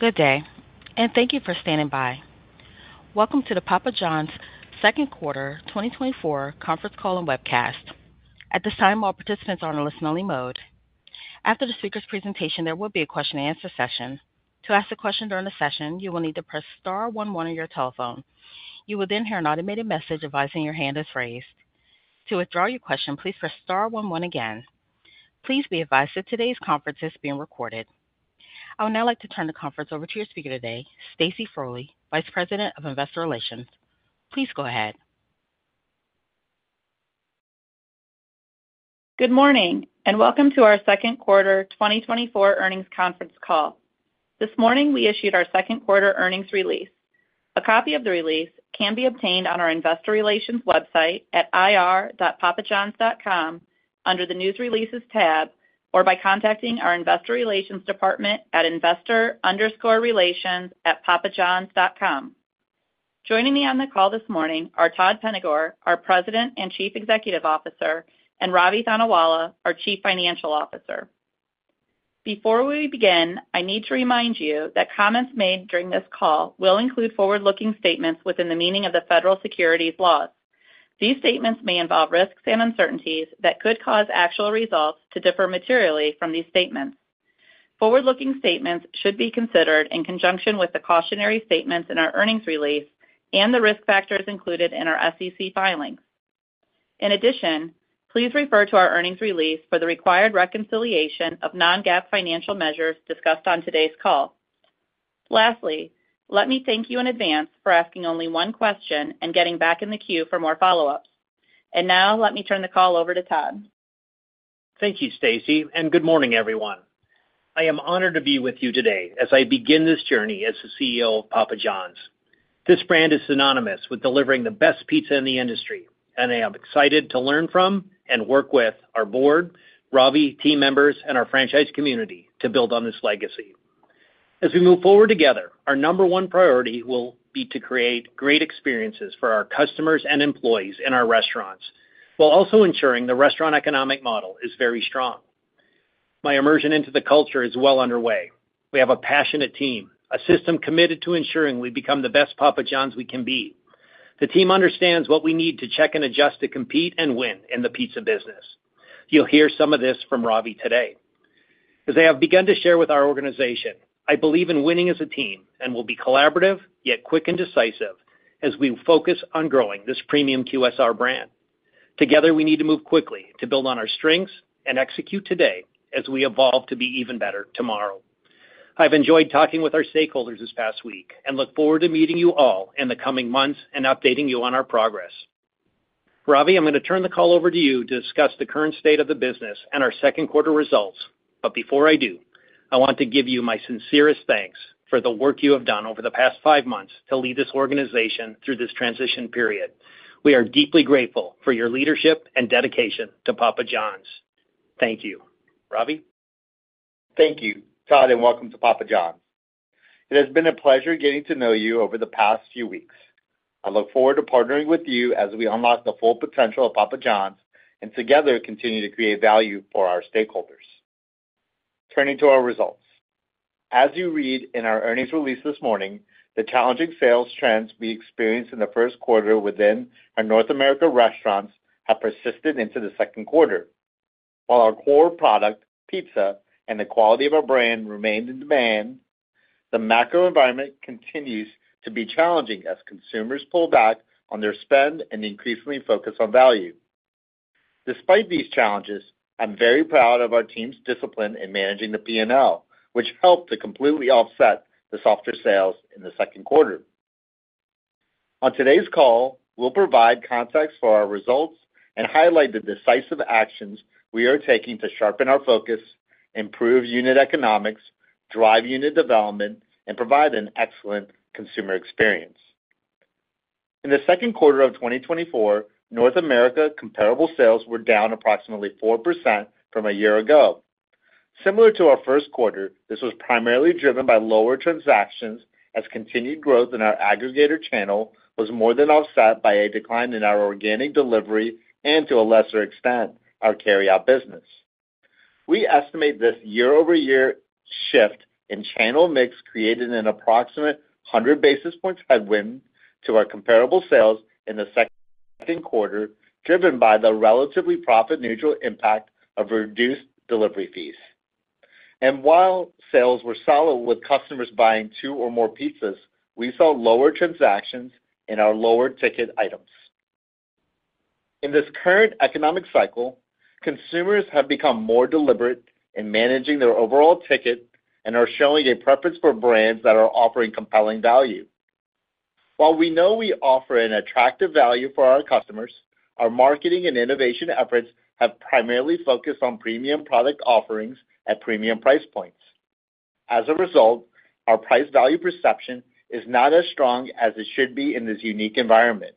Good day, and thank you for standing by. Welcome to the Papa Johns Second Quarter 2024 Conference Call and Webcast. At this time, all participants are on a listen-only mode. After the speaker's presentation, there will be a question-and-answer session. To ask a question during the session, you will need to press star one one on your telephone. You will then hear an automated message advising your hand is raised. To withdraw your question, please press star one one again. Please be advised that today's conference is being recorded. I would now like to turn the conference over to your speaker today, Stacy Frole, Vice President of Investor Relations. Please go ahead. Good morning, and Welcome to our Second Quarter 2024 Earnings Conference Call. This morning, we issued our second quarter earnings release. A copy of the release can be obtained on our investor relations website at ir.papajohns.com under the News Releases tab, or by contacting our investor relations department at investor_relations@papajohns.com. Joining me on the call this morning are Todd Penegor, our President and Chief Executive Officer, and Ravi Thanawala, our Chief Financial Officer. Before we begin, I need to remind you that comments made during this call will include forward-looking statements within the meaning of the federal securities laws. These statements may involve risks and uncertainties that could cause actual results to differ materially from these statements. Forward-looking statements should be considered in conjunction with the cautionary statements in our earnings release and the risk factors included in our SEC filings. In addition, please refer to our earnings release for the required reconciliation of non-GAAP financial measures discussed on today's call. Lastly, let me thank you in advance for asking only one question and getting back in the queue for more follow-ups. Now, let me turn the call over to Todd. Thank you, Stacy, and good morning, everyone. I am honored to be with you today as I begin this journey as the CEO of Papa Johns. This brand is synonymous with delivering the best pizza in the industry, and I am excited to learn from and work with our board, Ravi, team members, and our franchise community to build on this legacy. As we move forward together, our number one priority will be to create great experiences for our customers and employees in our restaurants, while also ensuring the restaurant economic model is very strong. My immersion into the culture is well underway. We have a passionate team, a system committed to ensuring we become the best Papa Johns we can be. The team understands what we need to check and adjust to compete and win in the pizza business. You'll hear some of this from Ravi today. As I have begun to share with our organization, I believe in winning as a team and will be collaborative, yet quick and decisive, as we focus on growing this premium QSR brand. Together, we need to move quickly to build on our strengths and execute today as we evolve to be even better tomorrow. I've enjoyed talking with our stakeholders this past week and look forward to meeting you all in the coming months and updating you on our progress. Ravi, I'm going to turn the call over to you to discuss the current state of the business and our second quarter results. But before I do, I want to give you my sincerest thanks for the work you have done over the past five months to lead this organization through this transition period. We are deeply grateful for your leadership and dedication to Papa Johns. Thank you. Ravi? Thank you, Todd, and welcome to Papa Johns. It has been a pleasure getting to know you over the past few weeks. I look forward to partnering with you as we unlock the full potential of Papa Johns and together continue to create value for our stakeholders. Turning to our results. As you read in our earnings release this morning, the challenging sales trends we experienced in the first quarter within our North America restaurants have persisted into the second quarter. While our core product, pizza, and the quality of our brand remained in demand, the macro environment continues to be challenging as consumers pull back on their spend and increasingly focus on value. Despite these challenges, I'm very proud of our team's discipline in managing the P&L, which helped to completely offset the softer sales in the second quarter. On today's call, we'll provide context for our results and highlight the decisive actions we are taking to sharpen our focus, improve unit economics, drive unit development, and provide an excellent consumer experience. In the second quarter of 2024, North America comparable sales were down approximately 4% from a year ago. Similar to our first quarter, this was primarily driven by lower transactions, as continued growth in our aggregator channel was more than offset by a decline in our organic delivery and, to a lesser extent, our carryout business. We estimate this year-over-year shift in channel mix created an approximate 100 basis points headwind to our comparable sales in the second quarter, driven by the relatively profit-neutral impact of reduced delivery fees. And while sales were solid with customers buying two or more pizzas, we saw lower transactions in our lower-ticket items. In this current economic cycle, consumers have become more deliberate in managing their overall ticket and are showing a preference for brands that are offering compelling value. While we know we offer an attractive value for our customers, our marketing and innovation efforts have primarily focused on premium product offerings at premium price points. As a result, our price-value perception is not as strong as it should be in this unique environment.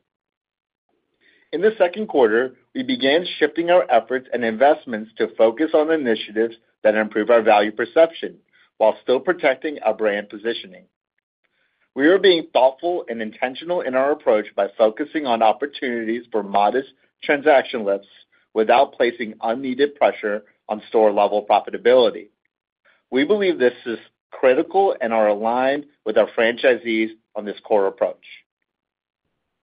In the second quarter, we began shifting our efforts and investments to focus on initiatives that improve our value perception while still protecting our brand positioning.... We are being thoughtful and intentional in our approach by focusing on opportunities for modest transaction lifts without placing unneeded pressure on store-level profitability. We believe this is critical and are aligned with our franchisees on this core approach.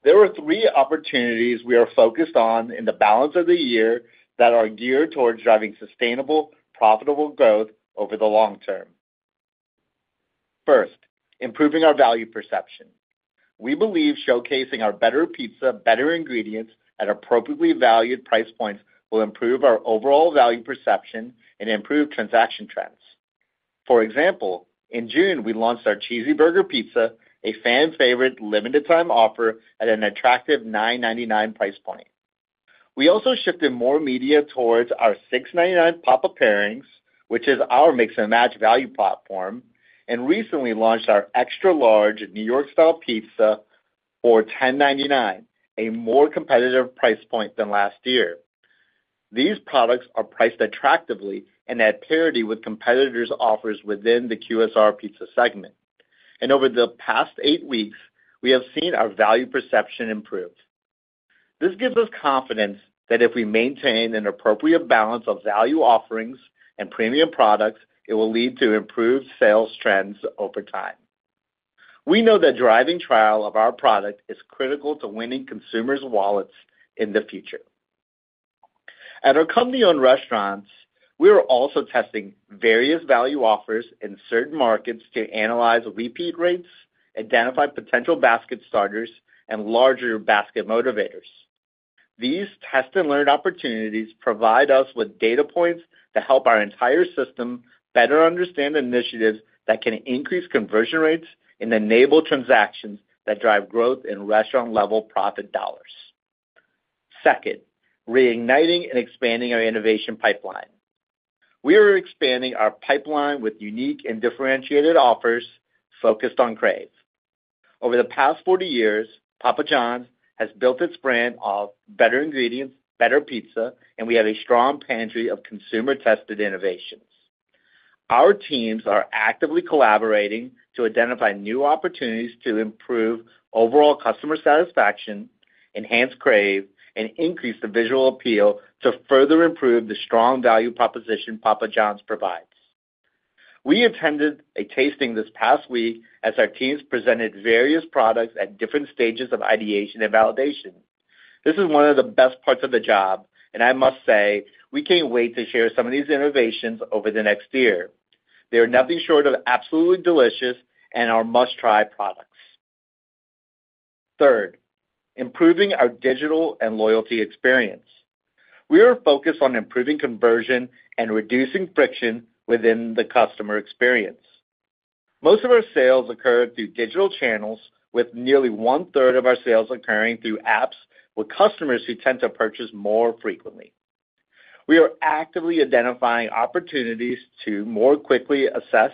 There are 3 opportunities we are focused on in the balance of the year that are geared towards driving sustainable, profitable growth over the long term. First, improving our value perception. We believe showcasing our better pizza, better ingredients at appropriately valued price points will improve our overall value perception and improve transaction trends. For example, in June, we launched our Cheeseburger Pizza, a fan favorite limited time offer at an attractive $9.99 price point. We also shifted more media towards our $6.99 Papa Pairings, which is our mix-and-match value platform, and recently launched our extra large New York-Style Pizza for $10.99, a more competitive price point than last year. These products are priced attractively and at parity with competitors' offers within the QSR pizza segment. And over the past 8 weeks, we have seen our value perception improved. This gives us confidence that if we maintain an appropriate balance of value offerings and premium products, it will lead to improved sales trends over time. We know that driving trial of our product is critical to winning consumers' wallets in the future. At our company-owned restaurants, we are also testing various value offers in certain markets to analyze repeat rates, identify potential basket starters, and larger basket motivators. These test and learn opportunities provide us with data points to help our entire system better understand initiatives that can increase conversion rates and enable transactions that drive growth in restaurant-level profit dollars. Second, reigniting and expanding our innovation pipeline. We are expanding our pipeline with unique and differentiated offers focused on crave. Over the past 40 years, Papa Johns has built its brand of better ingredients, better pizza, and we have a strong pantry of consumer-tested innovations. Our teams are actively collaborating to identify new opportunities to improve overall customer satisfaction, enhance crave, and increase the visual appeal to further improve the strong value proposition Papa Johns provides. We attended a tasting this past week as our teams presented various products at different stages of ideation and validation. This is one of the best parts of the job, and I must say, we can't wait to share some of these innovations over the next year. They are nothing short of absolutely delicious and are must-try products. Third, improving our digital and loyalty experience. We are focused on improving conversion and reducing friction within the customer experience. Most of our sales occur through digital channels, with nearly one-third of our sales occurring through apps with customers who tend to purchase more frequently. We are actively identifying opportunities to more quickly assess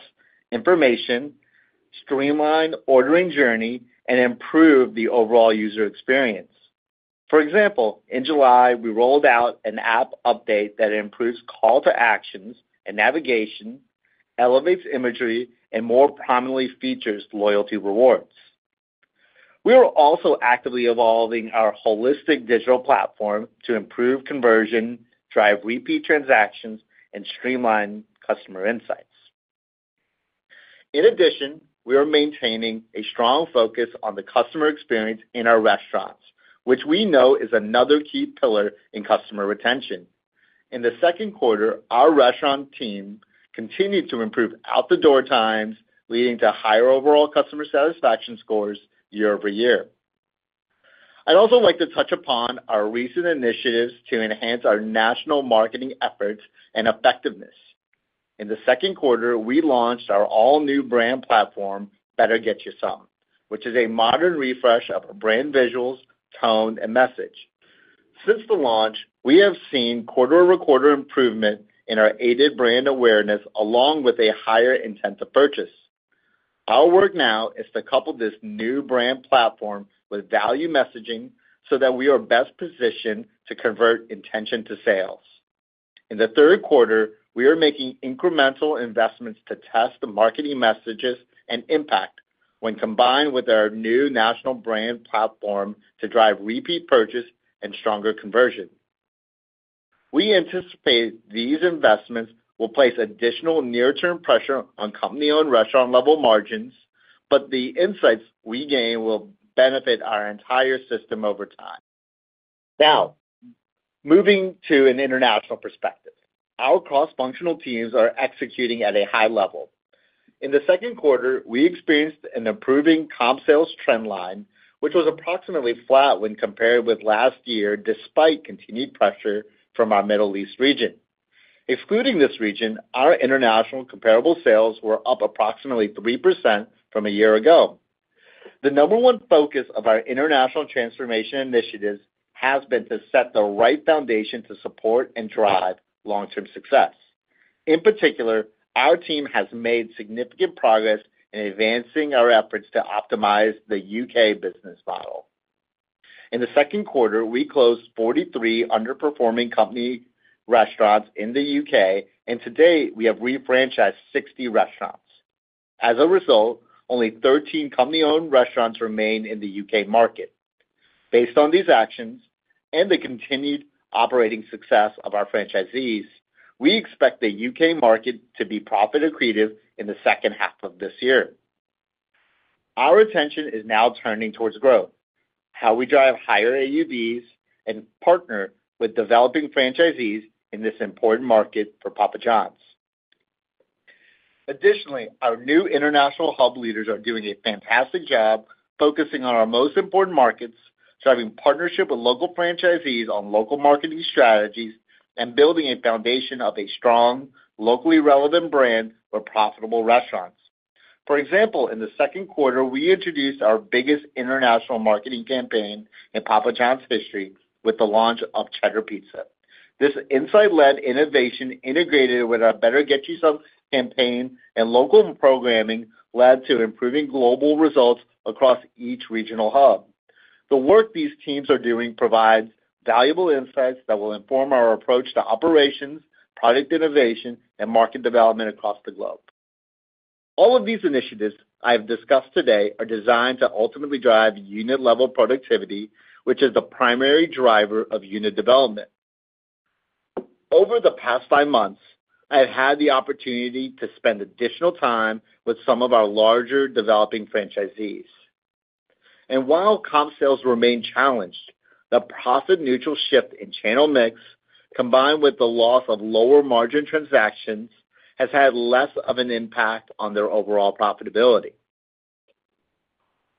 information, streamline the ordering journey, and improve the overall user experience. For example, in July, we rolled out an app update that improves call to actions and navigation, elevates imagery, and more prominently features loyalty rewards. We are also actively evolving our holistic digital platform to improve conversion, drive repeat transactions, and streamline customer insights. In addition, we are maintaining a strong focus on the customer experience in our restaurants, which we know is another key pillar in customer retention. In the second quarter, our restaurant team continued to improve out-the-door times, leading to higher overall customer satisfaction scores year-over-year. I'd also like to touch upon our recent initiatives to enhance our national marketing efforts and effectiveness. In the second quarter, we launched our all-new brand platform, Better Get You Some, which is a modern refresh of our brand visuals, tone, and message. Since the launch, we have seen quarter-over-quarter improvement in our aided brand awareness, along with a higher intent to purchase. Our work now is to couple this new brand platform with value messaging so that we are best positioned to convert intention to sales. In the third quarter, we are making incremental investments to test the marketing messages and impact when combined with our new national brand platform to drive repeat purchase and stronger conversion. We anticipate these investments will place additional near-term pressure on company-owned restaurant-level margins, but the insights we gain will benefit our entire system over time. Now, moving to an international perspective. Our cross-functional teams are executing at a high level. In the second quarter, we experienced an improving comp sales trend line, which was approximately flat when compared with last year, despite continued pressure from our Middle East region. Excluding this region, our international comparable sales were up approximately 3% from a year ago. The number one focus of our international transformation initiatives has been to set the right foundation to support and drive long-term success. In particular, our team has made significant progress in advancing our efforts to optimize the U.K. business model. In the second quarter, we closed 43 underperforming company restaurants in the U.K., and to date, we have refranchised 60 restaurants. As a result, only 13 company-owned restaurants remain in the U.K. market. Based on these actions and the continued operating success of our franchisees, we expect the U.K. market to be profit accretive in the second half of this year. Our attention is now turning towards growth, how we drive higher AUVs, and partner with developing franchisees in this important market for Papa Johns. Additionally, our new international hub leaders are doing a fantastic job focusing on our most important markets, driving partnership with local franchisees on local marketing strategies, and building a foundation of a strong, locally relevant brand for profitable restaurants. For example, in the second quarter, we introduced our biggest international marketing campaign in Papa Johns history with the launch of Cheddar Pizza. This insight-led innovation, integrated with our Better Get You Some campaign and local programming, led to improving global results across each regional hub. The work these teams are doing provides valuable insights that will inform our approach to operations, product innovation, and market development across the globe. All of these initiatives I have discussed today are designed to ultimately drive unit-level productivity, which is the primary driver of unit development. Over the past five months, I have had the opportunity to spend additional time with some of our larger developing franchisees. While comp sales remain challenged, the profit-neutral shift in channel mix, combined with the loss of lower-margin transactions, has had less of an impact on their overall profitability.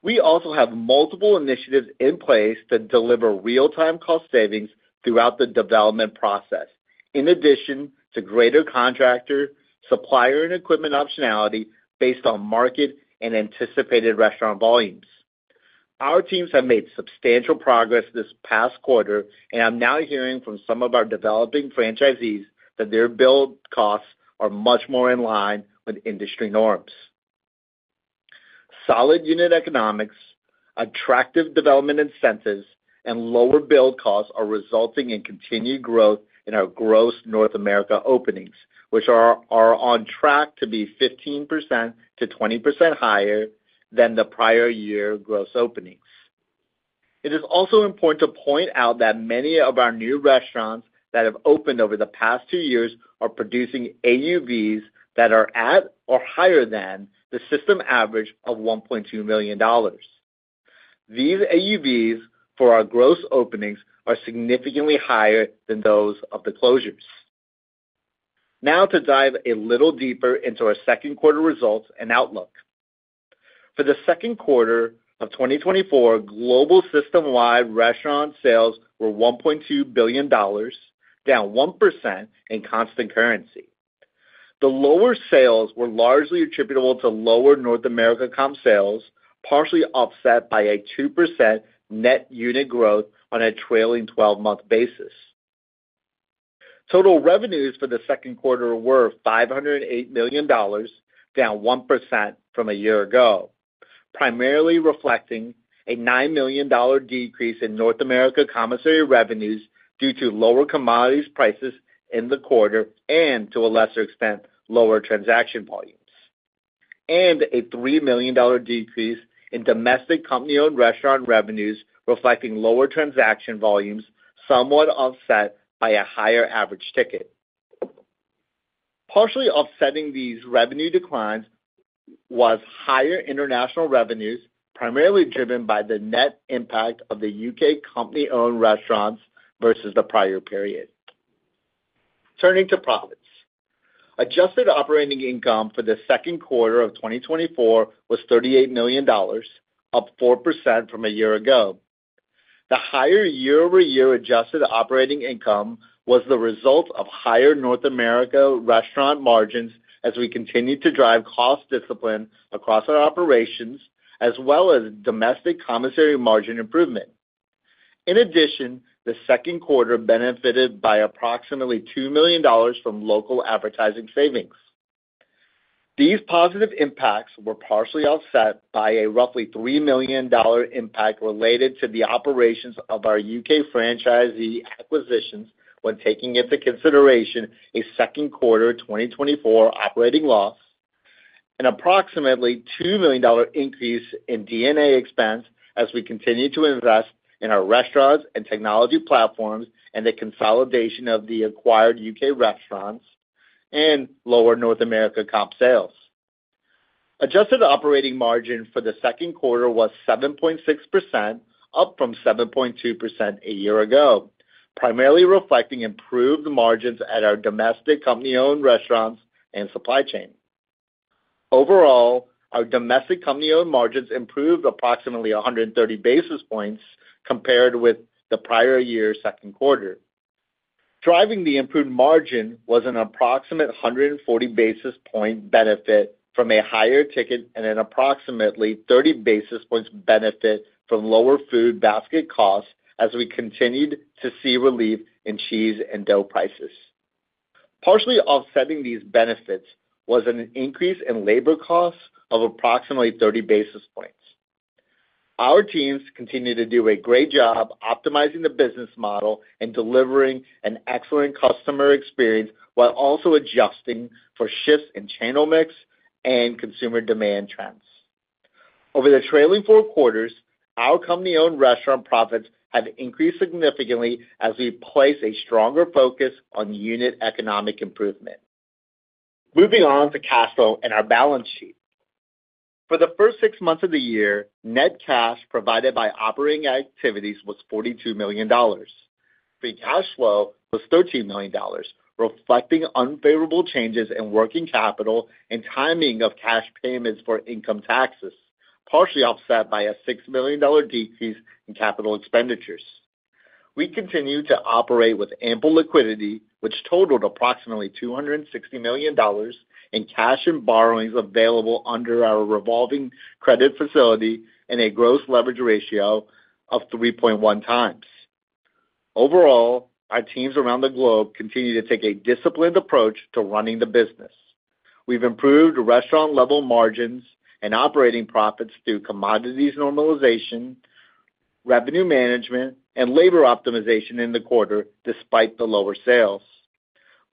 We also have multiple initiatives in place to deliver real-time cost savings throughout the development process. In addition to greater contractor, supplier, and equipment optionality based on market and anticipated restaurant volumes. Our teams have made substantial progress this past quarter, and I'm now hearing from some of our developing franchisees that their build costs are much more in line with industry norms. Solid unit economics, attractive development incentives, and lower build costs are resulting in continued growth in our gross North America openings, which are on track to be 15%-20% higher than the prior year gross openings. It is also important to point out that many of our new restaurants that have opened over the past two years are producing AUVs that are at or higher than the system average of $1.2 million. These AUVs for our gross openings are significantly higher than those of the closures. Now to dive a little deeper into our second quarter results and outlook. For the second quarter of 2024, global system-wide restaurant sales were $1.2 billion, down 1% in constant currency. The lower sales were largely attributable to lower North America comp sales, partially offset by a 2% net unit growth on a trailing twelve-month basis. Total revenues for the second quarter were $508 million, down 1% from a year ago, primarily reflecting a $9 million decrease in North America commissary revenues due to lower commodities prices in the quarter and, to a lesser extent, lower transaction volumes, and a $3 million decrease in domestic company-owned restaurant revenues, reflecting lower transaction volumes, somewhat offset by a higher average ticket. Partially offsetting these revenue declines was higher international revenues, primarily driven by the net impact of the U.K. company-owned restaurants versus the prior period. Turning to profits. Adjusted operating income for the second quarter of 2024 was $38 million, up 4% from a year ago. The higher year-over-year adjusted operating income was the result of higher North America restaurant margins as we continued to drive cost discipline across our operations, as well as domestic commissary margin improvement. In addition, the second quarter benefited by approximately $2 million from local advertising savings. These positive impacts were partially offset by a roughly $3 million dollar impact related to the operations of our UK franchisee acquisitions when taking into consideration a second quarter 2024 operating loss, an approximately $2 million dollar increase in D&A expense as we continue to invest in our restaurants and technology platforms, and the consolidation of the acquired UK restaurants and lower North America comp sales. Adjusted operating margin for the second quarter was 7.6%, up from 7.2% a year ago, primarily reflecting improved margins at our domestic company-owned restaurants and supply chain. Overall, our domestic company-owned margins improved approximately 130 basis points compared with the prior year's second quarter. Driving the improved margin was an approximately 140 basis points benefit from a higher ticket and an approximately 30 basis points benefit from lower food basket costs as we continued to see relief in cheese and dough prices. Partially offsetting these benefits was an increase in labor costs of approximately 30 basis points. Our teams continue to do a great job optimizing the business model and delivering an excellent customer experience, while also adjusting for shifts in channel mix and consumer demand trends. Over the trailing four quarters, our company-owned restaurant profits have increased significantly as we place a stronger focus on unit economics improvement. Moving on to cash flow and our balance sheet. For the first six months of the year, net cash provided by operating activities was $42 million. Free cash flow was $13 million, reflecting unfavorable changes in working capital and timing of cash payments for income taxes, partially offset by a $6 million decrease in capital expenditures. We continue to operate with ample liquidity, which totaled approximately $260 million in cash and borrowings available under our revolving credit facility and a gross leverage ratio of 3.1 times. Overall, our teams around the globe continue to take a disciplined approach to running the business. We've improved restaurant-level margins and operating profits through commodities normalization, revenue management, and labor optimization in the quarter, despite the lower sales.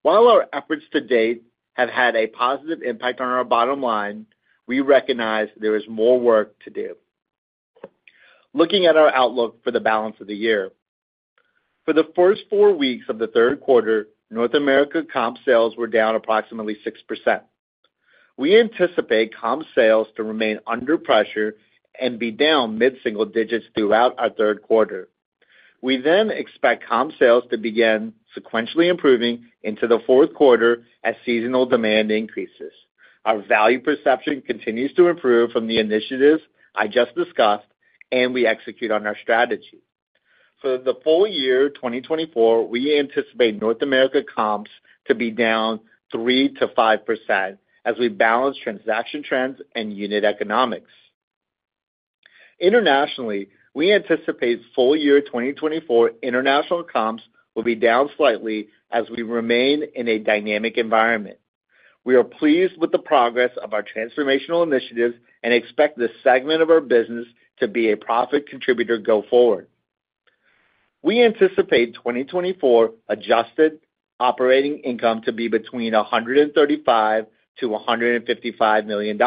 While our efforts to date have had a positive impact on our bottom line, we recognize there is more work to do. Looking at our outlook for the balance of the year. For the first four weeks of the third quarter, North America comp sales were down approximately 6%. We anticipate comp sales to remain under pressure and be down mid-single digits throughout our third quarter. We then expect comp sales to begin sequentially improving into the fourth quarter as seasonal demand increases. Our value perception continues to improve from the initiatives I just discussed, and we execute on our strategy. For the full year 2024, we anticipate North America comps to be down 3%-5% as we balance transaction trends and unit economics. Internationally, we anticipate full year 2024 international comps will be down slightly as we remain in a dynamic environment. We are pleased with the progress of our transformational initiatives and expect this segment of our business to be a profit contributor go forward. We anticipate 2024 adjusted operating income to be between $135 million-$155 million,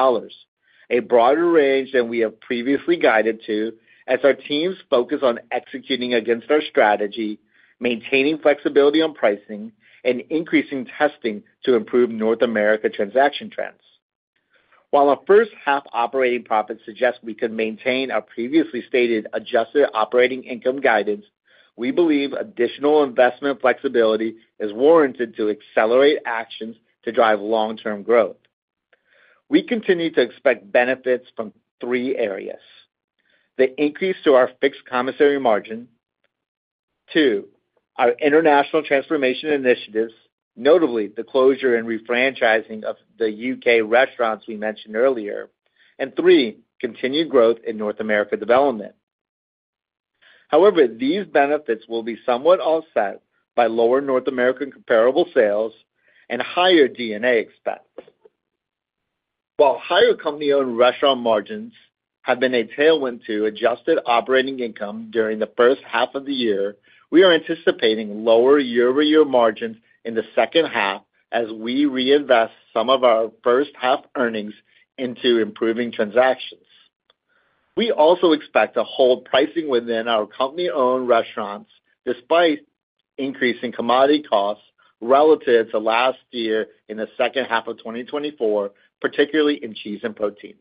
a broader range than we have previously guided to, as our teams focus on executing against our strategy, maintaining flexibility on pricing, and increasing testing to improve North America transaction trends. While our first half operating profits suggest we could maintain our previously stated adjusted operating income guidance, we believe additional investment flexibility is warranted to accelerate actions to drive long-term growth. We continue to expect benefits from three areas: the increase to our fixed commissary margin, two, our international transformation initiatives, notably the closure and refranchising of the U.K. restaurants we mentioned earlier, and three, continued growth in North America development. However, these benefits will be somewhat offset by lower North American comparable sales and higher DNA expense. While higher company-owned restaurant margins have been a tailwind to adjusted operating income during the first half of the year, we are anticipating lower year-over-year margins in the second half as we reinvest some of our first half earnings into improving transactions. We also expect to hold pricing within our company-owned restaurants, despite increasing commodity costs relative to last year in the second half of 2024, particularly in cheese and proteins.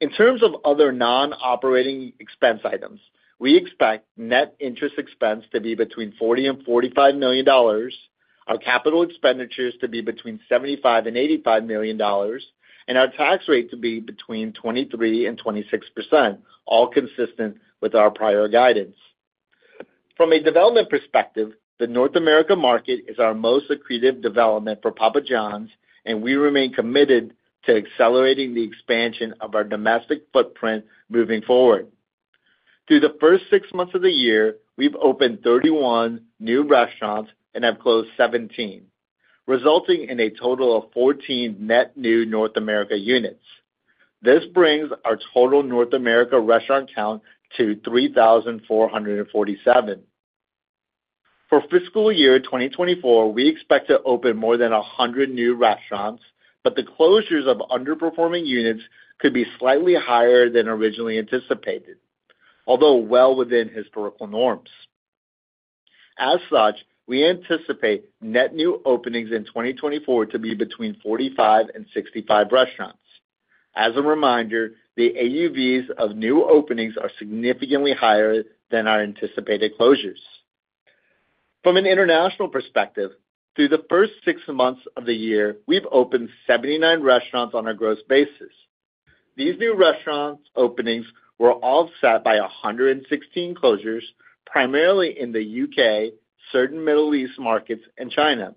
In terms of other non-operating expense items, we expect net interest expense to be between $40 million and $45 million, our capital expenditures to be between $75 and $85 million, and our tax rate to be between 23% and 26%, all consistent with our prior guidance. From a development perspective, the North America market is our most accretive development for Papa Johns, and we remain committed to accelerating the expansion of our domestic footprint moving forward. Through the first six months of the year, we've opened 31 new restaurants and have closed 17, resulting in a total of 14 net new North America units. This brings our total North America restaurant count to 3,447. For fiscal year 2024, we expect to open more than 100 new restaurants, but the closures of underperforming units could be slightly higher than originally anticipated, although well within historical norms. As such, we anticipate net new openings in 2024 to be between 45 and 65 restaurants. As a reminder, the AUVs of new openings are significantly higher than our anticipated closures. From an international perspective, through the first six months of the year, we've opened 79 restaurants on a gross basis. These new restaurant openings were all set by 116 closures, primarily in the U.K., certain Middle East markets, and China.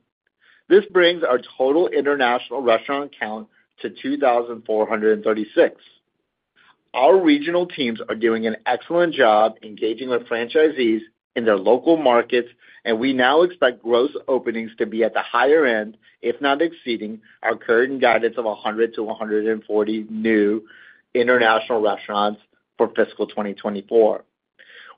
This brings our total international restaurant count to 2,436. Our regional teams are doing an excellent job engaging with franchisees in their local markets, and we now expect gross openings to be at the higher end, if not exceeding, our current guidance of 100-140 new international restaurants for fiscal 2024.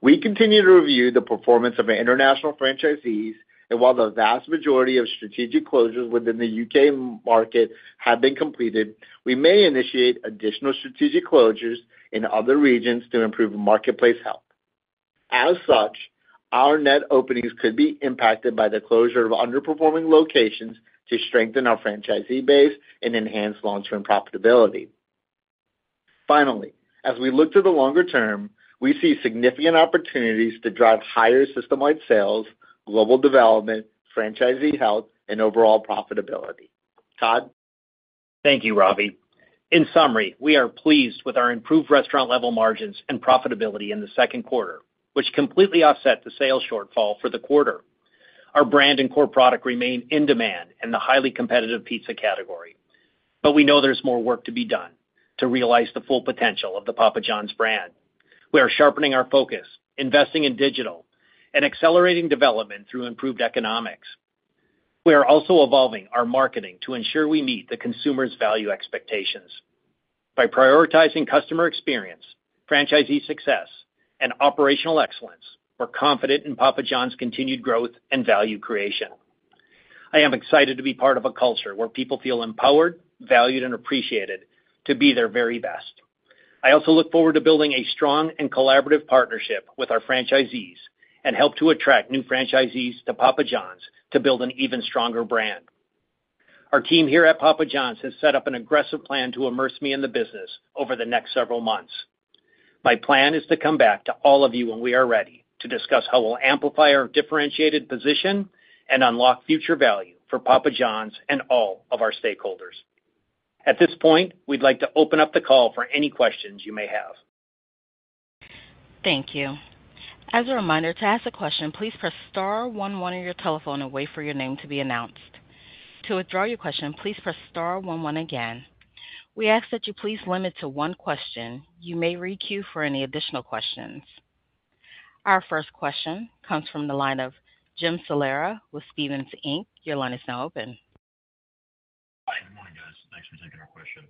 We continue to review the performance of our international franchisees, and while the vast majority of strategic closures within the UK market have been completed, we may initiate additional strategic closures in other regions to improve marketplace health. As such, our net openings could be impacted by the closure of underperforming locations to strengthen our franchisee base and enhance long-term profitability. Finally, as we look to the longer term, we see significant opportunities to drive higher system-wide sales, global development, franchisee health, and overall profitability. Todd? Thank you, Ravi. In summary, we are pleased with our improved restaurant-level margins and profitability in the second quarter, which completely offset the sales shortfall for the quarter. Our brand and core product remain in demand in the highly competitive pizza category, but we know there's more work to be done to realize the full potential of the Papa Johns brand. We are sharpening our focus, investing in digital, and accelerating development through improved economics. We are also evolving our marketing to ensure we meet the consumer's value expectations. By prioritizing customer experience, franchisee success, and operational excellence, we're confident in Papa Johns' continued growth and value creation. I am excited to be part of a culture where people feel empowered, valued, and appreciated to be their very best. I also look forward to building a strong and collaborative partnership with our franchisees and help to attract new franchisees to Papa Johns to build an even stronger brand. Our team here at Papa Johns has set up an aggressive plan to immerse me in the business over the next several months. My plan is to come back to all of you when we are ready to discuss how we'll amplify our differentiated position and unlock future value for Papa Johns and all of our stakeholders. At this point, we'd like to open up the call for any questions you may have. Thank you. As a reminder, to ask a question, please press star one one on your telephone and wait for your name to be announced. To withdraw your question, please press star one one again. We ask that you please limit to one question. You may requeue for any additional questions. Our first question comes from the line of Jim Salera with Stephens Inc. Your line is now open. Hi, good morning, guys. Thanks for taking our question.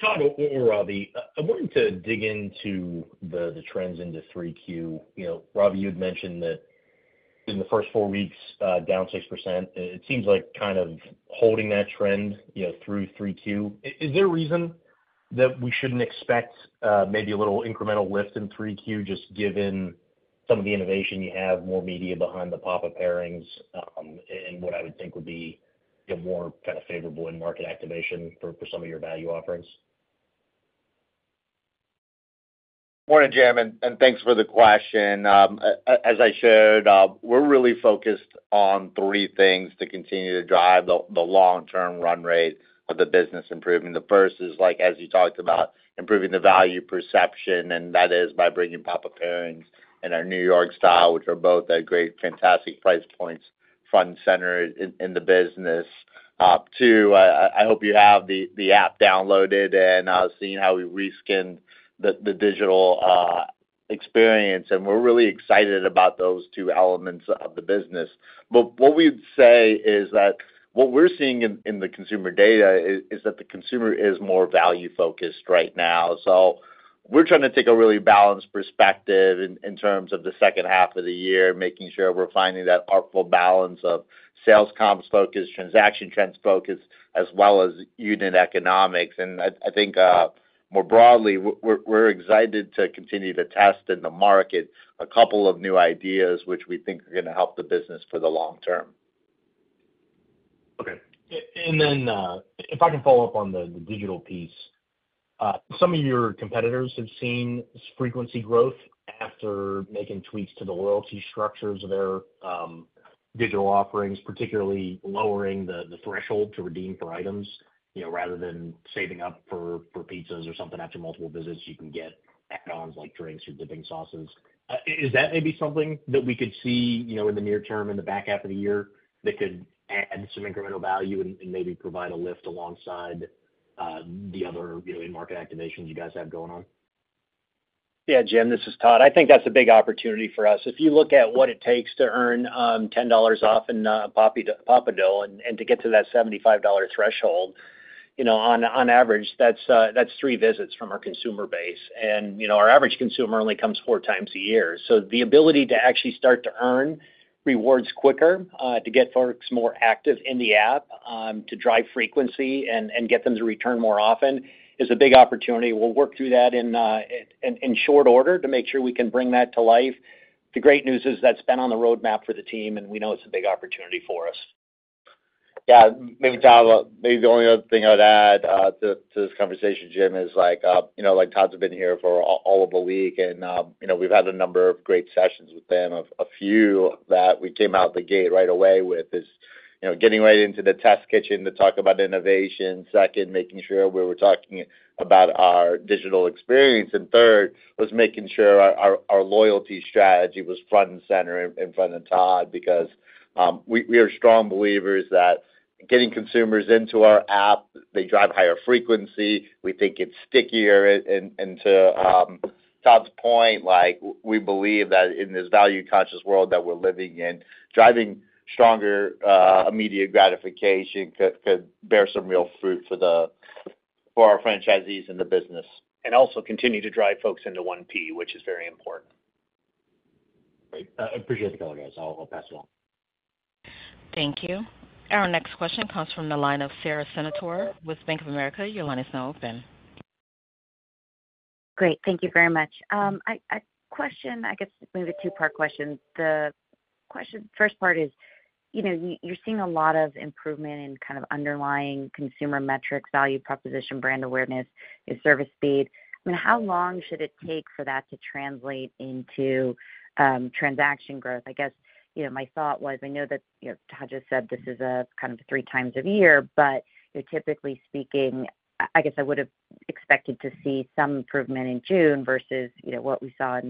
Todd or Ravi, I wanted to dig into the trends into 3Q. You know, Ravi, you had mentioned that in the first four weeks, down 6%, it seems like kind of holding that trend, you know, through 3Q. Is there a reason that we shouldn't expect maybe a little incremental lift in 3Q, just given some of the innovation you have, more media behind the Papa Pairings, and what I would think would be a more kind of favorable in-market activation for some of your value offerings? Morning, Jim, and thanks for the question. As I shared, we're really focused on three things to continue to drive the long-term run rate of the business improvement. The first is like, as you talked about, improving the value perception, and that is by bringing Papa Pairings and our New York Style, which are both at great, fantastic price points, front and center in the business. Two, I hope you have the app downloaded and seeing how we reskinned the digital experience, and we're really excited about those two elements of the business. But what we'd say is that what we're seeing in the consumer data is that the consumer is more value-focused right now. We're trying to take a really balanced perspective in terms of the second half of the year, making sure we're finding that artful balance of sales comps focus, transaction trends focus, as well as unit economics. I think, more broadly, we're excited to continue to test in the market a couple of new ideas which we think are gonna help the business for the long term. Okay. And then, if I can follow up on the digital piece, some of your competitors have seen frequency growth after making tweaks to the loyalty structures of their digital offerings, particularly lowering the threshold to redeem for items, you know, rather than saving up for pizzas or something after multiple visits, you can get add-ons like drinks or dipping sauces. Is that maybe something that we could see, you know, in the near term, in the back half of the year, that could add some incremental value and maybe provide a lift alongside the other, you know, in-market activations you guys have going on? Yeah, Jim, this is Todd. I think that's a big opportunity for us. If you look at what it takes to earn $10 off in Papa, Papa Dough and to get to that $75 threshold, you know, on average, that's three visits from our consumer base. And, you know, our average consumer only comes four times a year. So the ability to actually start to earn rewards quicker to get folks more active in the app to drive frequency and get them to return more often is a big opportunity. We'll work through that in short order to make sure we can bring that to life. The great news is that's been on the roadmap for the team, and we know it's a big opportunity for us. Yeah, maybe Todd, maybe the only other thing I'd add to this conversation, Jim, is like, you know, like Todd's been here for all of the week, and, you know, we've had a number of great sessions with them. A few that we came out the gate right away with is, you know, getting right into the test kitchen to talk about innovation. Second, making sure we were talking about our digital experience, and third, was making sure our loyalty strategy was front and center in front of Todd, because, we are strong believers that getting consumers into our app, they drive higher frequency. We think it's stickier. And to Todd's point, like, we believe that in this value-conscious world that we're living in, driving stronger immediate gratification could bear some real fruit for our franchisees in the business, and also continue to drive folks into 1P, which is very important. Great. I appreciate the color, guys. I'll, I'll pass it on. Thank you. Our next question comes from the line of Sara Senatore with Bank of America. Your line is now open. Great. Thank you very much. I, a question, I guess, maybe a two-part question. The question, first part is, you know, you're seeing a lot of improvement in kind of underlying consumer metrics, value proposition, brand awareness, your service speed. I mean, how long should it take for that to translate into transaction growth? I guess, you know, my thought was, I know that, you know, Todd just said this is a kind of three times a year, but, you know, typically speaking, I guess I would've expected to see some improvement in June versus, you know, what we saw in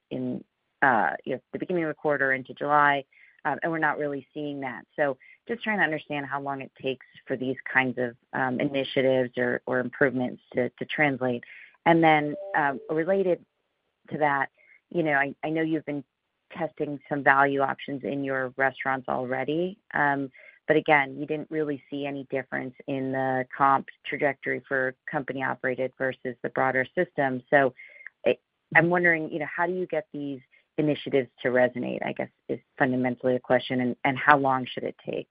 the beginning of the quarter into July, and we're not really seeing that. So just trying to understand how long it takes for these kinds of initiatives or improvements to translate. And then, related to that, you know, I know you've been testing some value options in your restaurants already, but again, you didn't really see any difference in the comps trajectory for company-operated versus the broader system. So I'm wondering, you know, how do you get these initiatives to resonate, I guess, is fundamentally the question, and how long should it take?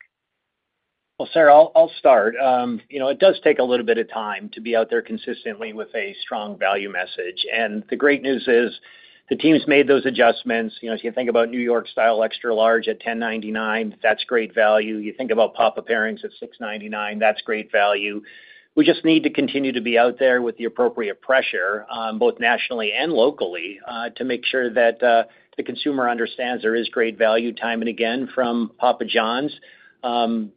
Well, Sara, I'll start. You know, it does take a little bit of time to be out there consistently with a strong value message. The great news is, the teams made those adjustments. You know, as you think about New York style extra large at $10.99, that's great value. You think about Papa Pairings at $6.99, that's great value. We just need to continue to be out there with the appropriate pressure, both nationally and locally, to make sure that the consumer understands there is great value time and again from Papa Johns. And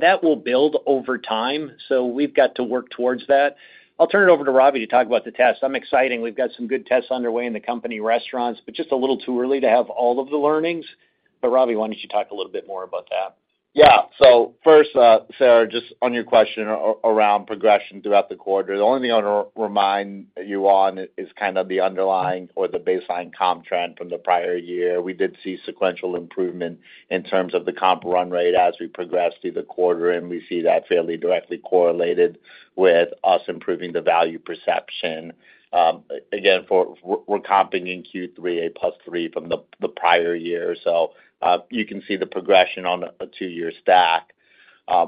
that will build over time, so we've got to work towards that. I'll turn it over to Ravi to talk about the test. I'm excited, we've got some good tests underway in the company restaurants, but just a little too early to have all of the learnings. But Ravi, why don't you talk a little bit more about that? Yeah. So first, Sarah, just on your question around progression throughout the quarter, the only thing I wanna remind you on is kind of the underlying or the baseline comp trend from the prior year. We did see sequential improvement in terms of the comp run rate as we progressed through the quarter, and we see that fairly directly correlated with us improving the value perception. Again, we're comping in Q3 +3% from the prior year, so you can see the progression on a two-year stack.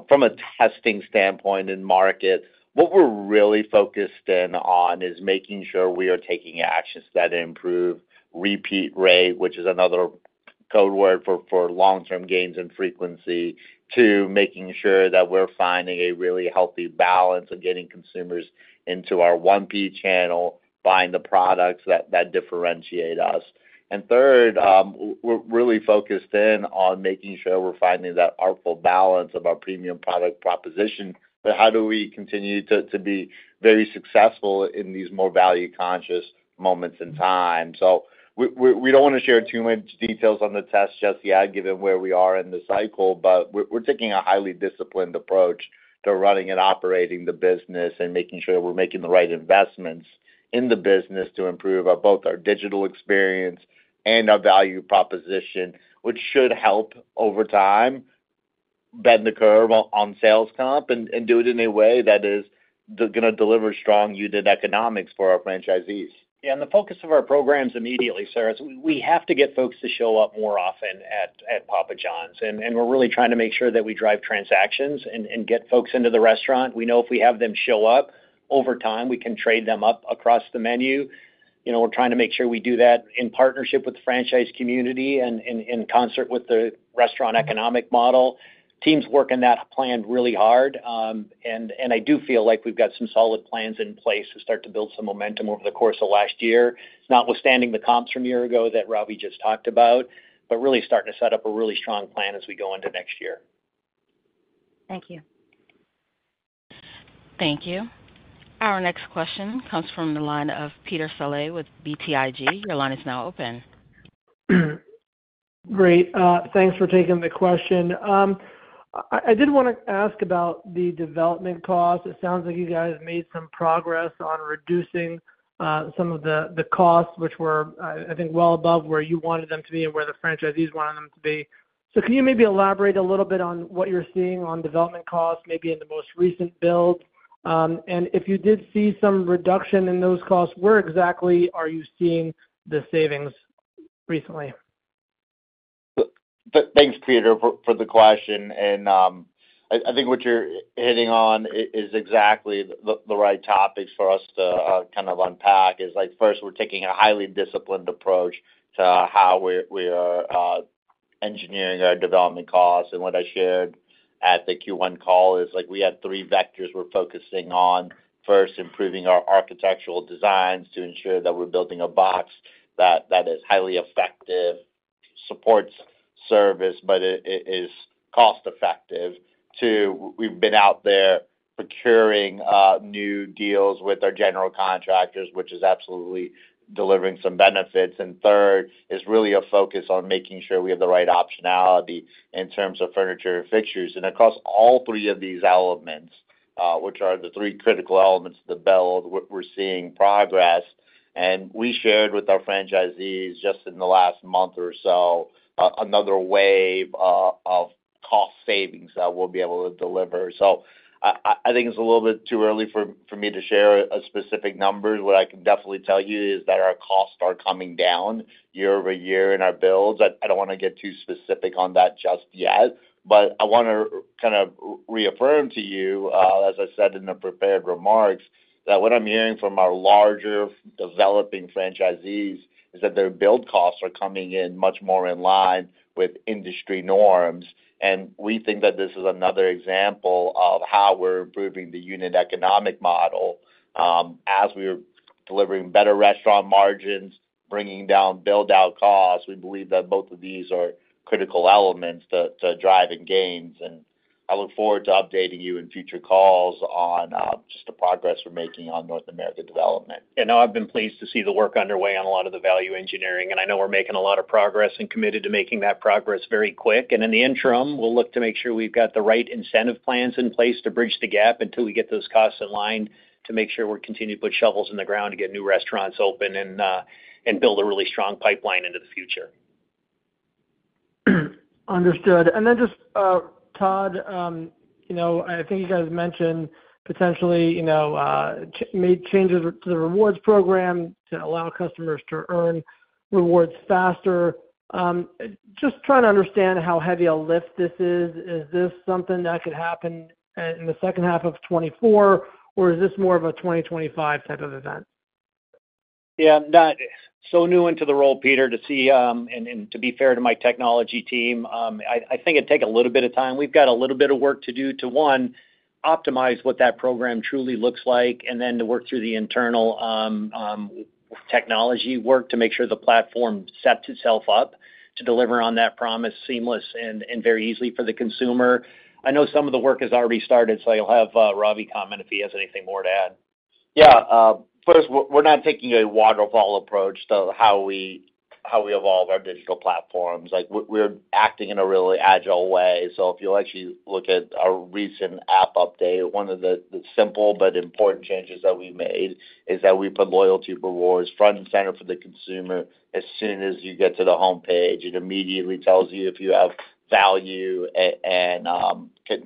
From a testing standpoint in market, what we're really focused in on is making sure we are taking actions that improve repeat rate, which is another code word for long-term gains and frequency, to making sure that we're finding a really healthy balance of getting consumers into our 1P channel, buying the products that differentiate us. And third, we're really focused in on making sure we're finding that artful balance of our premium product proposition. But how do we continue to be very successful in these more value-conscious moments in time? So we don't want to share too much details on the test just yet, given where we are in the cycle, but we're taking a highly disciplined approach to running and operating the business and making sure that we're making the right investments in the business to improve both our digital experience and our value proposition, which should help over time bend the curve on sales comp and do it in a way that is gonna deliver strong unit economics for our franchisees. Yeah, and the focus of our programs immediately, Sara, is we have to get folks to show up more often at Papa Johns, and we're really trying to make sure that we drive transactions and get folks into the restaurant. We know if we have them show up, over time, we can trade them up across the menu. You know, we're trying to make sure we do that in partnership with the franchise community and in concert with the restaurant economic model. Teams working that plan really hard, and I do feel like we've got some solid plans in place to start to build some momentum over the course of last year, notwithstanding the comps from a year ago that Ravi just talked about, but really starting to set up a really strong plan as we go into next year. Thank you. Thank you. Our next question comes from the line of Peter Saleh with BTIG. Your line is now open. Great. Thanks for taking the question. I did want to ask about the development costs. It sounds like you guys made some progress on reducing some of the costs, which were, I think, well above where you wanted them to be and where the franchisees wanted them to be. So can you maybe elaborate a little bit on what you're seeing on development costs, maybe in the most recent build? And if you did see some reduction in those costs, where exactly are you seeing the savings recently? Thanks, Peter, for the question. And I think what you're hitting on is exactly the right topics for us to kind of unpack. First, we're taking a highly disciplined approach to how we're engineering our development costs. And what I shared at the Q1 call is, like, we had three vectors we're focusing on. First, improving our architectural designs to ensure that we're building a box that is highly effective, supports service, but it is cost effective. Two, we've been out there procuring new deals with our general contractors, which is absolutely delivering some benefits. And third is really a focus on making sure we have the right optionality in terms of furniture and fixtures. Across all three of these elements, which are the three critical elements of the build, we're seeing progress. We shared with our franchisees, just in the last month or so, another wave of cost savings that we'll be able to deliver. So I think it's a little bit too early for me to share a specific number. What I can definitely tell you is that our costs are coming down year over year in our builds. I don't want to get too specific on that just yet, but I wanna kind of reaffirm to you, as I said in the prepared remarks, that what I'm hearing from our larger, developing franchisees is that their build costs are coming in much more in line with industry norms. We think that this is another example of how we're improving the unit economic model, as we're delivering better restaurant margins, bringing down build-out costs. We believe that both of these are critical elements to driving gains, and I look forward to updating you in future calls on just the progress we're making on North American development. Now I've been pleased to see the work underway on a lot of the value engineering, and I know we're making a lot of progress and committed to making that progress very quick. In the interim, we'll look to make sure we've got the right incentive plans in place to bridge the gap until we get those costs in line, to make sure we're continuing to put shovels in the ground to get new restaurants open and build a really strong pipeline into the future. Understood. Then just, Todd, you know, I think you guys mentioned potentially, you know, made changes to the rewards program to allow customers to earn rewards faster. Just trying to understand how heavy a lift this is. Is this something that could happen, in the second half of 2024, or is this more of a 2025 type of event? Yeah, not so new into the role, Peter, to see, and, and to be fair to my technology team, I, I think it'd take a little bit of time. We've got a little bit of work to do to, one, optimize what that program truly looks like, and then to work through the internal, technology work to make sure the platform sets itself up to deliver on that promise seamless and, and very easily for the consumer. I know some of the work has already started, so I'll have, Ravi comment if he has anything more to add. Yeah, first, we're not taking a waterfall approach to how we evolve our digital platforms. Like, we're acting in a really agile way. So if you'll actually look at our recent app update, one of the simple but important changes that we made is that we put loyalty rewards front and center for the consumer. As soon as you get to the homepage, it immediately tells you if you have value and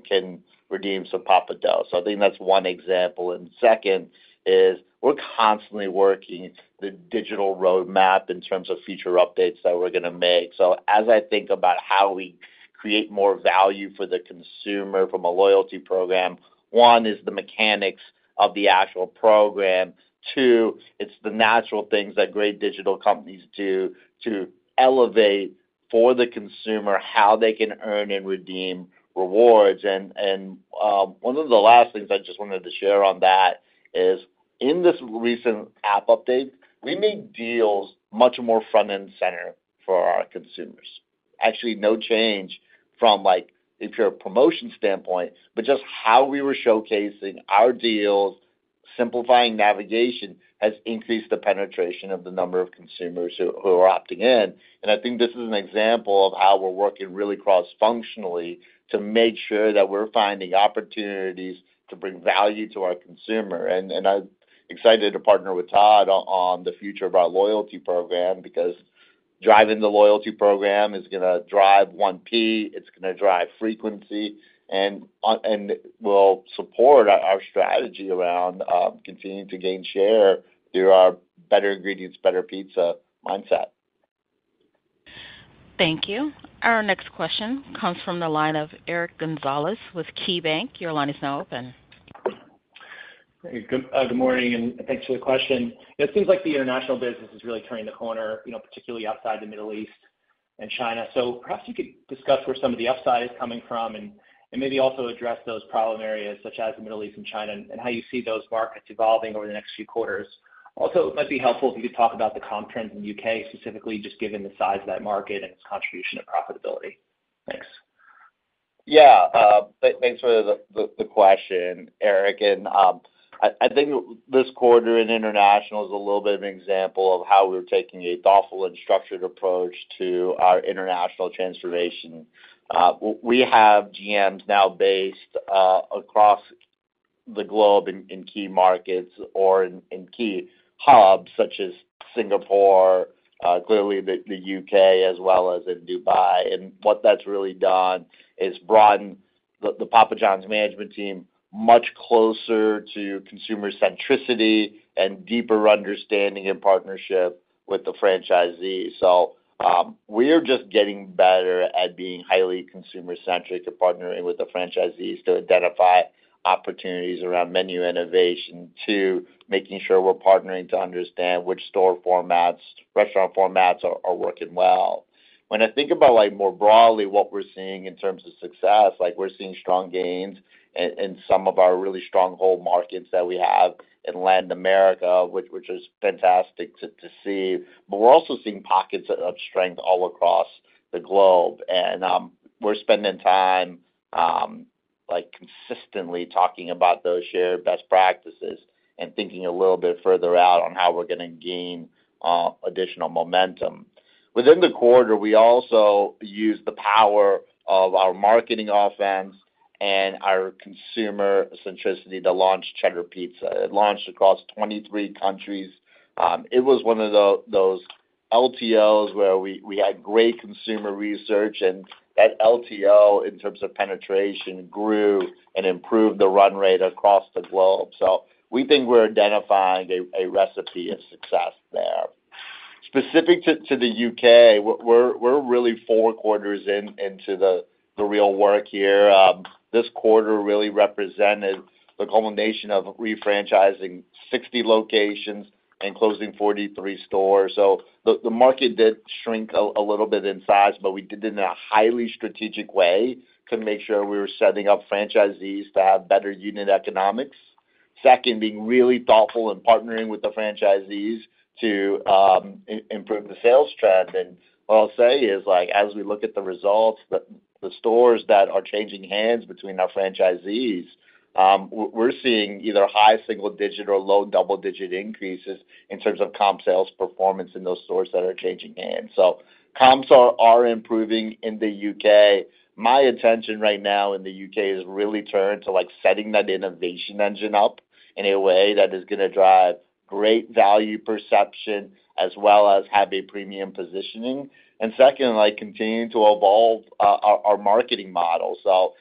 can redeem some Papa Dough. So I think that's one example. And second is, we're constantly working the digital roadmap in terms of future updates that we're gonna make. So as I think about how we create more value for the consumer from a loyalty program, one, is the mechanics of the actual program. Two, it's the natural things that great digital companies do to elevate for the consumer, how they can earn and redeem rewards. And, one of the last things I just wanted to share on that is, in this recent app update, we made deals much more front and center for our consumers. Actually, no change from like, if you're a promotion standpoint, but just how we were showcasing our deals, simplifying navigation, has increased the penetration of the number of consumers who are opting in. And I think this is an example of how we're working really cross-functionally to make sure that we're finding opportunities to bring value to our consumer. I'm excited to partner with Todd on the future of our loyalty program, because driving the loyalty program is gonna drive 1P, it's gonna drive frequency, and will support our strategy around continuing to gain share through our better ingredients, better pizza mindset. Thank you. Our next question comes from the line of Eric Gonzalez with KeyBanc. Your line is now open. Hey, good morning, and thanks for the question. It seems like the international business is really turning the corner, you know, particularly outside the Middle East and China. So perhaps you could discuss where some of the upside is coming from, and maybe also address those problem areas, such as the Middle East and China, and how you see those markets evolving over the next few quarters. Also, it might be helpful if you could talk about the comp trends in U.K., specifically, just given the size of that market and its contribution and profitability. Thanks. Yeah, thanks for the question, Eric. I think this quarter in international is a little bit of an example of how we're taking a thoughtful and structured approach to our international transformation. We have GMs now based across the globe in key markets or in key hubs, such as Singapore, clearly the U.K., as well as in Dubai. And what that's really done is broaden the Papa Johns management team much closer to consumer centricity and deeper understanding and partnership with the franchisees. So, we're just getting better at being highly consumer-centric and partnering with the franchisees to identify opportunities around menu innovation, to making sure we're partnering to understand which store formats, restaurant formats are working well. When I think about, like, more broadly, what we're seeing in terms of success, like, we're seeing strong gains in some of our really stronghold markets that we have in Latin America, which is fantastic to see. But we're also seeing pockets of strength all across the globe. And we're spending time, like, consistently talking about those shared best practices and thinking a little bit further out on how we're gonna gain additional momentum. Within the quarter, we also used the power of our marketing offense and our consumer centricity to launch cheddar pizza. It launched across 23 countries. It was one of those LTOs where we had great consumer research, and that LTO, in terms of penetration, grew and improved the run rate across the globe. So we think we're identifying a recipe of success there. Specific to the U.K.., we're really four quarters in into the real work here. This quarter really represented the culmination of refranchising 60 locations and closing 43 stores. So the market did shrink a little bit in size, but we did it in a highly strategic way to make sure we were setting up franchisees to have better unit economics. Second, being really thoughtful in partnering with the franchisees to improve the sales trend. And what I'll say is, like, as we look at the results, the stores that are changing hands between our franchisees, we're seeing either high single-digit or low double-digit increases in terms of comp sales performance in those stores that are changing hands. So comps are improving in the UK. My attention right now in the U.K. is really turned to, like, setting that innovation engine up in a way that is gonna drive great value perception, as well as have a premium positioning. And second, like, continuing to evolve our marketing model. So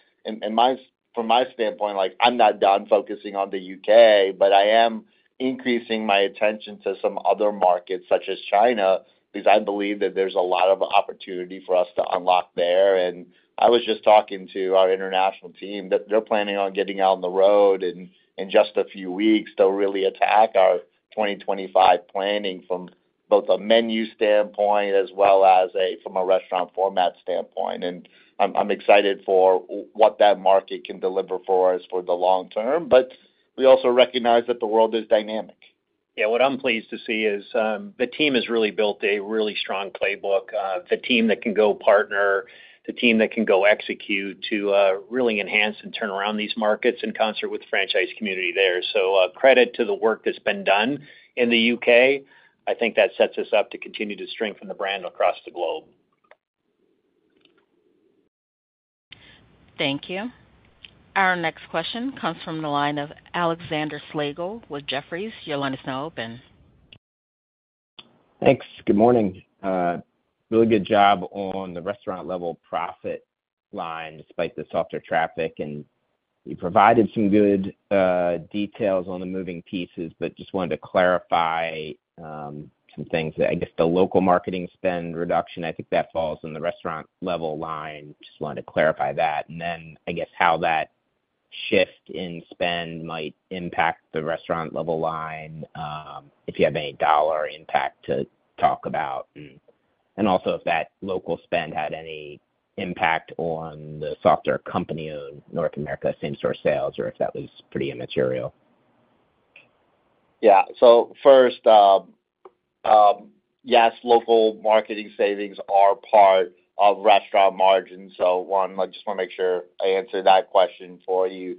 from my standpoint, like, I'm not done focusing on the U.K., but I am increasing my attention to some other markets, such as China, because I believe that there's a lot of opportunity for us to unlock there. And I was just talking to our international team, that they're planning on getting out on the road in just a few weeks to really attack our 2025 planning from both a menu standpoint as well as from a restaurant format standpoint. I'm excited for what that market can deliver for us for the long term, but we also recognize that the world is dynamic. Yeah, what I'm pleased to see is, the team has really built a really strong playbook. The team that can go partner, the team that can go execute, really enhance and turn around these markets in concert with the franchise community there. So, credit to the work that's been done in the UK. I think that sets us up to continue to strengthen the brand across the globe. Thank you. Our next question comes from the line of Alexander Slagle with Jefferies. Your line is now open. Thanks. Good morning. Really good job on the restaurant level profit line, despite the softer traffic, and you provided some good details on the moving pieces, but just wanted to clarify some things. I guess, the local marketing spend reduction, I think that falls in the restaurant level line. Just wanted to clarify that. And then, I guess, how that shift in spend might impact the restaurant level line, if you have any dollar impact to talk about. And also if that local spend had any impact on the softer company-owned North America same store sales, or if that was pretty immaterial. Yeah. So first, yes, local marketing savings are part of restaurant margins. So one, I just wanna make sure I answer that question for you.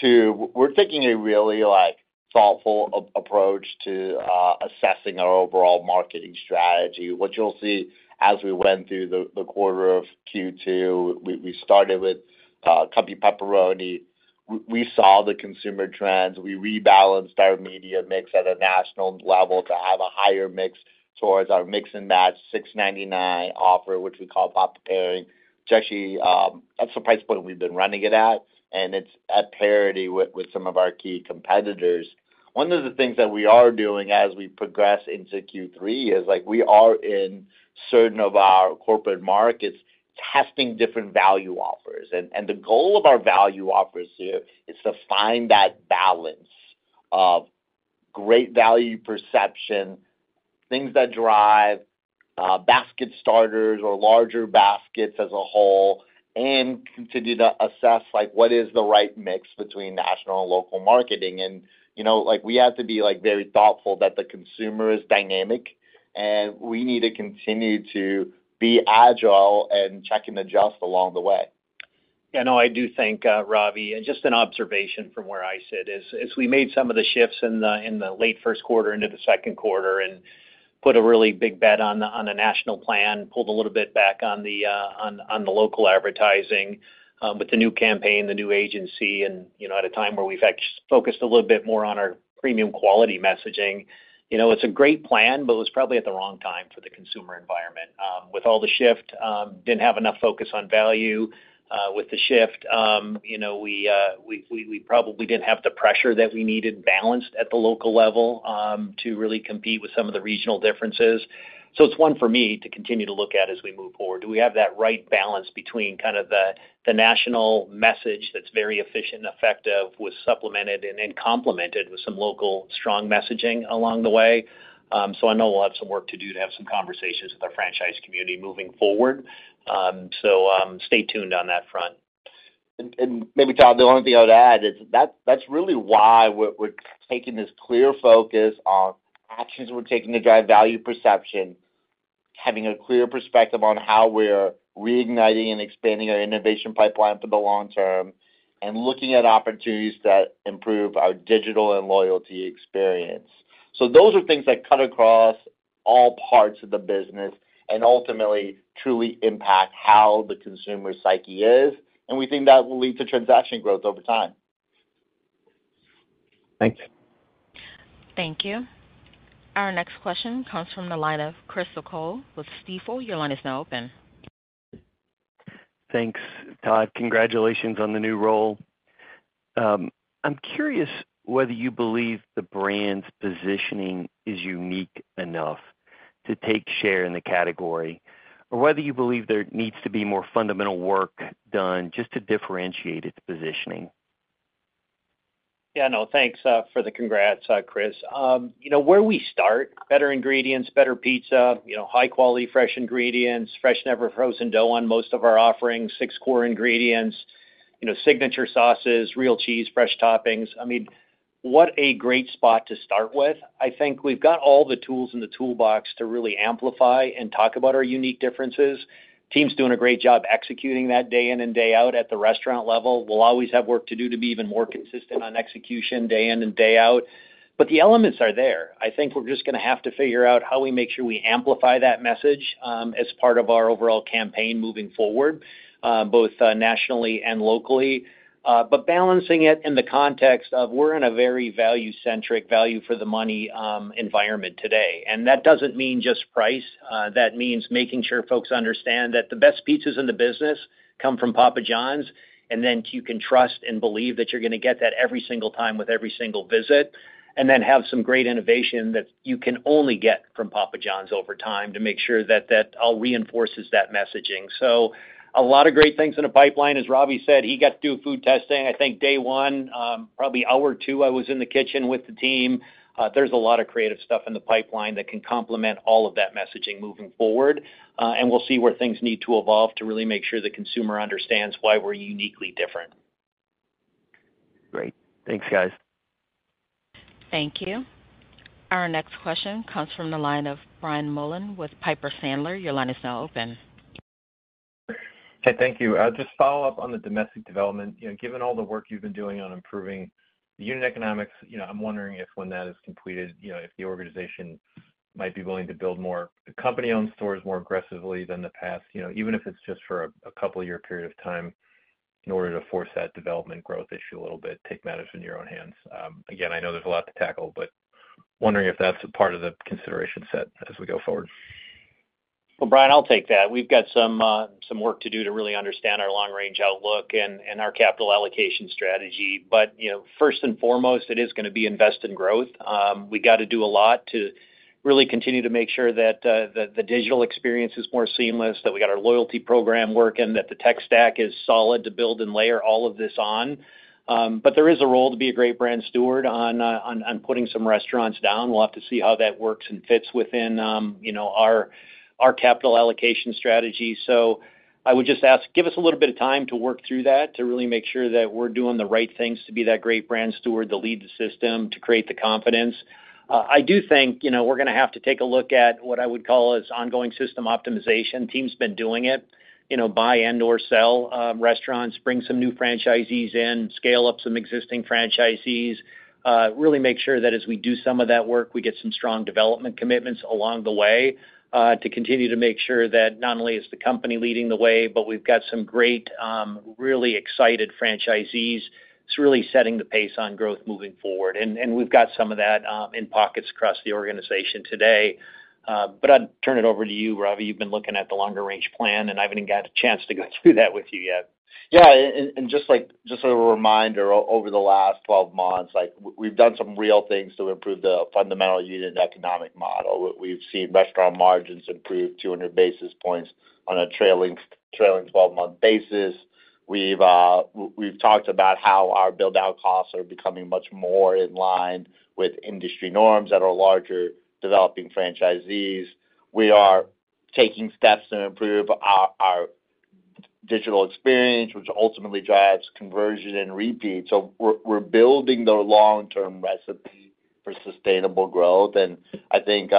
Two, we're taking a really, like, thoughtful approach to assessing our overall marketing strategy. What you'll see as we went through the quarter of Q2, we started with Cuppy Pepperoni. We saw the consumer trends. We rebalanced our media mix at a national level to have a higher mix towards our mix and match $6.99 offer, which we call Papa Pairings, which actually, that's the price point we've been running it at, and it's at parity with some of our key competitors. One of the things that we are doing as we progress into Q3 is, like, we are in certain of our corporate markets, testing different value offers. The goal of our value offers here is to find that balance of great value perception, things that drive basket starters or larger baskets as a whole, and continue to assess, like, what is the right mix between national and local marketing. You know, like, we have to be, like, very thoughtful that the consumer is dynamic, and we need to continue to be agile and check and adjust along the way. Yeah, no, I do think, Ravi, and just an observation from where I sit, is, as we made some of the shifts in the late first quarter into the second quarter and put a really big bet on the national plan, pulled a little bit back on the local advertising, with the new campaign, the new agency, and, you know, at a time where we've actually focused a little bit more on our premium quality messaging, you know, it's a great plan, but it was probably at the wrong time for the consumer environment. With all the shift, didn't have enough focus on value, with the shift. You know, we probably didn't have the pressure that we needed balanced at the local level to really compete with some of the regional differences. So it's one for me to continue to look at as we move forward. Do we have that right balance between kind of the national message that's very efficient and effective, was supplemented and then complemented with some local strong messaging along the way? So I know we'll have some work to do to have some conversations with our franchise community moving forward. So, stay tuned on that front. And maybe, Todd, the only thing I would add is that's really why we're taking this clear focus on actions we're taking to drive value perception, having a clear perspective on how we're reigniting and expanding our innovation pipeline for the long term, and looking at opportunities that improve our digital and loyalty experience. So those are things that cut across all parts of the business and ultimately truly impact how the consumer psyche is, and we think that will lead to transaction growth over time. Thanks. Thank you. Our next question comes from the line of Chris O'Cull with Stifel. Your line is now open. Thanks, Todd. Congratulations on the new role. I'm curious whether you believe the brand's positioning is unique enough to take share in the category, or whether you believe there needs to be more fundamental work done just to differentiate its positioning. Yeah, no, thanks for the congrats, Chris. You know, where we start, better ingredients, better pizza, you know, high quality, fresh ingredients, fresh, never frozen dough on most of our offerings, six core ingredients, you know, signature sauces, real cheese, fresh toppings. I mean, what a great spot to start with. I think we've got all the tools in the toolbox to really amplify and talk about our unique differences. Team's doing a great job executing that day in and day out at the restaurant level. We'll always have work to do to be even more consistent on execution day in and day out. But the elements are there. I think we're just gonna have to figure out how we make sure we amplify that message as part of our overall campaign moving forward, both nationally and locally. balancing it in the context of we're in a very value-centric, value for the money, environment today, and that doesn't mean just price, that means making sure folks understand that the best pizzas in the business come from Papa Johns, and then you can trust and believe that you're gonna get that every single time with every single visit, and then have some great innovation that you can only get from Papa Johns over time to make sure that that all reinforces that messaging. A lot of great things in the pipeline. As Ravi said, he got to do food testing. I think day one, probably hour two, I was in the kitchen with the team. There's a lot of creative stuff in the pipeline that can complement all of that messaging moving forward, and we'll see where things need to evolve to really make sure the consumer understands why we're uniquely different. Great. Thanks, guys. Thank you. Our next question comes from the line of Brian Mullan with Piper Sandler. Your line is now open. Hey, thank you. Just follow up on the domestic development. You know, given all the work you've been doing on improving the unit economics, you know, I'm wondering if when that is completed, you know, if the organization might be willing to build more company-owned stores more aggressively than the past, you know, even if it's just for a couple of years period of time in order to force that development growth issue a little bit, take matters into your own hands. Again, I know there's a lot to tackle, but wondering if that's a part of the consideration set as we go forward. Well, Brian, I'll take that. We've got some work to do to really understand our long range outlook and our capital allocation strategy. But, you know, first and foremost, it is gonna be invest in growth. We got to do a lot to really continue to make sure that the digital experience is more seamless, that we got our loyalty program working, that the tech stack is solid to build and layer all of this on. But there is a role to be a great brand steward on putting some restaurants down. We'll have to see how that works and fits within, you know, our capital allocation strategy. So I would just ask, give us a little bit of time to work through that, to really make sure that we're doing the right things to be that great brand steward, to lead the system, to create the confidence. I do think, you know, we're gonna have to take a look at what I would call is ongoing system optimization. Team's been doing it, you know, buy and/or sell, restaurants, bring some new franchisees in, scale up some existing franchisees, really make sure that as we do some of that work, we get some strong development commitments along the way, to continue to make sure that not only is the company leading the way, but we've got some great, really excited franchisees. It's really setting the pace on growth moving forward. We've got some of that in pockets across the organization today. But I'd turn it over to you, Ravi. You've been looking at the longer range plan, and I haven't even got a chance to go through that with you yet. Yeah, and just like, just a reminder, over the last 12 months, like, we've done some real things to improve the fundamental unit economic model. We've seen restaurant margins improve 200 basis points on a trailing 12-month basis. We've talked about how our build-out costs are becoming much more in line with industry norms at our larger developing franchisees. We are taking steps to improve our digital experience, which ultimately drives conversion and repeat. So we're building the long-term recipe for sustainable growth. And I think,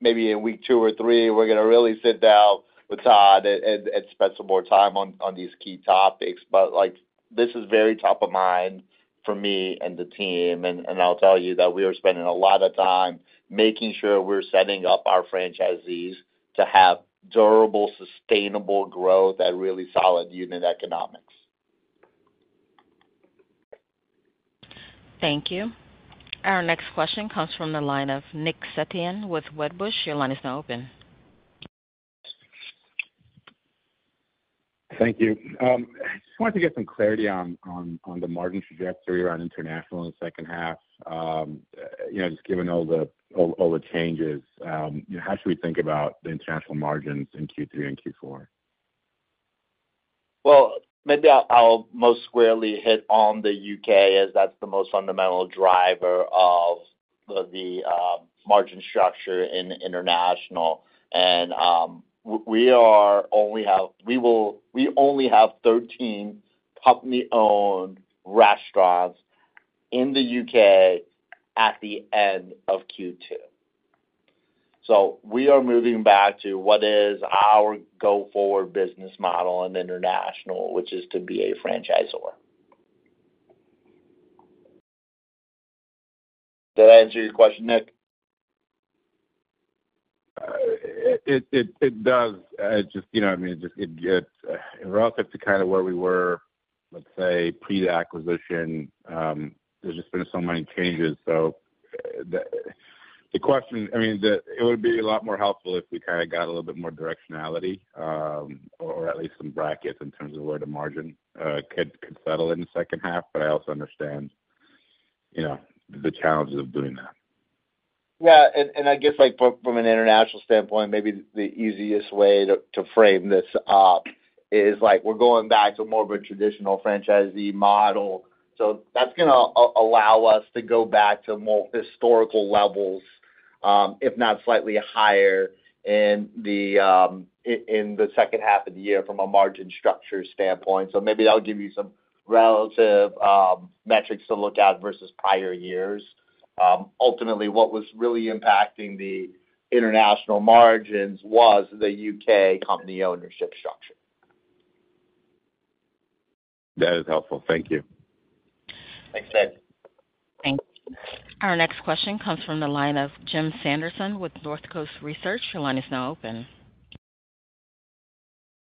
maybe in week 2 or 3, we're gonna really sit down with Todd and spend some more time on these key topics. Like, this is very top of mind for me and the team, and I'll tell you that we are spending a lot of time making sure we're setting up our franchisees to have durable, sustainable growth and really solid unit economics. Thank you. Our next question comes from the line of Nick Setyan with Wedbush. Your line is now open. Thank you. I just wanted to get some clarity on the margin trajectory around international in the second half. You know, just given all the changes, you know, how should we think about the international margins in Q3 and Q4? Well, maybe I'll, I'll most squarely hit on the UK, as that's the most fundamental driver of the margin structure in international. We only have 13 company-owned restaurants in the U.K. at the end of Q2. So we are moving back to what is our go-forward business model in international, which is to be a franchisor. Did that answer your question, Nick? It does. I just, you know, I mean, relative to kind of where we were, let's say, pre the acquisition, there's just been so many changes. So the question - I mean, it would be a lot more helpful if we kind of got a little bit more directionality, or at least some brackets in terms of where the margin could settle in the second half. But I also understand, you know, the challenges of doing that. Yeah, I guess, like, from an international standpoint, maybe the easiest way to frame this up is, like, we're going back to more of a traditional franchisee model. So that's gonna allow us to go back to more historical levels, if not slightly higher in the second half of the year from a margin structure standpoint. So maybe that'll give you some relative metrics to look at versus prior years. Ultimately, what was really impacting the international margins was the U.K. company ownership structure. That is helpful. Thank you. Thanks, Nick. Thank you. Our next question comes from the line of Jim Sanderson with North Coast Research. Your line is now open.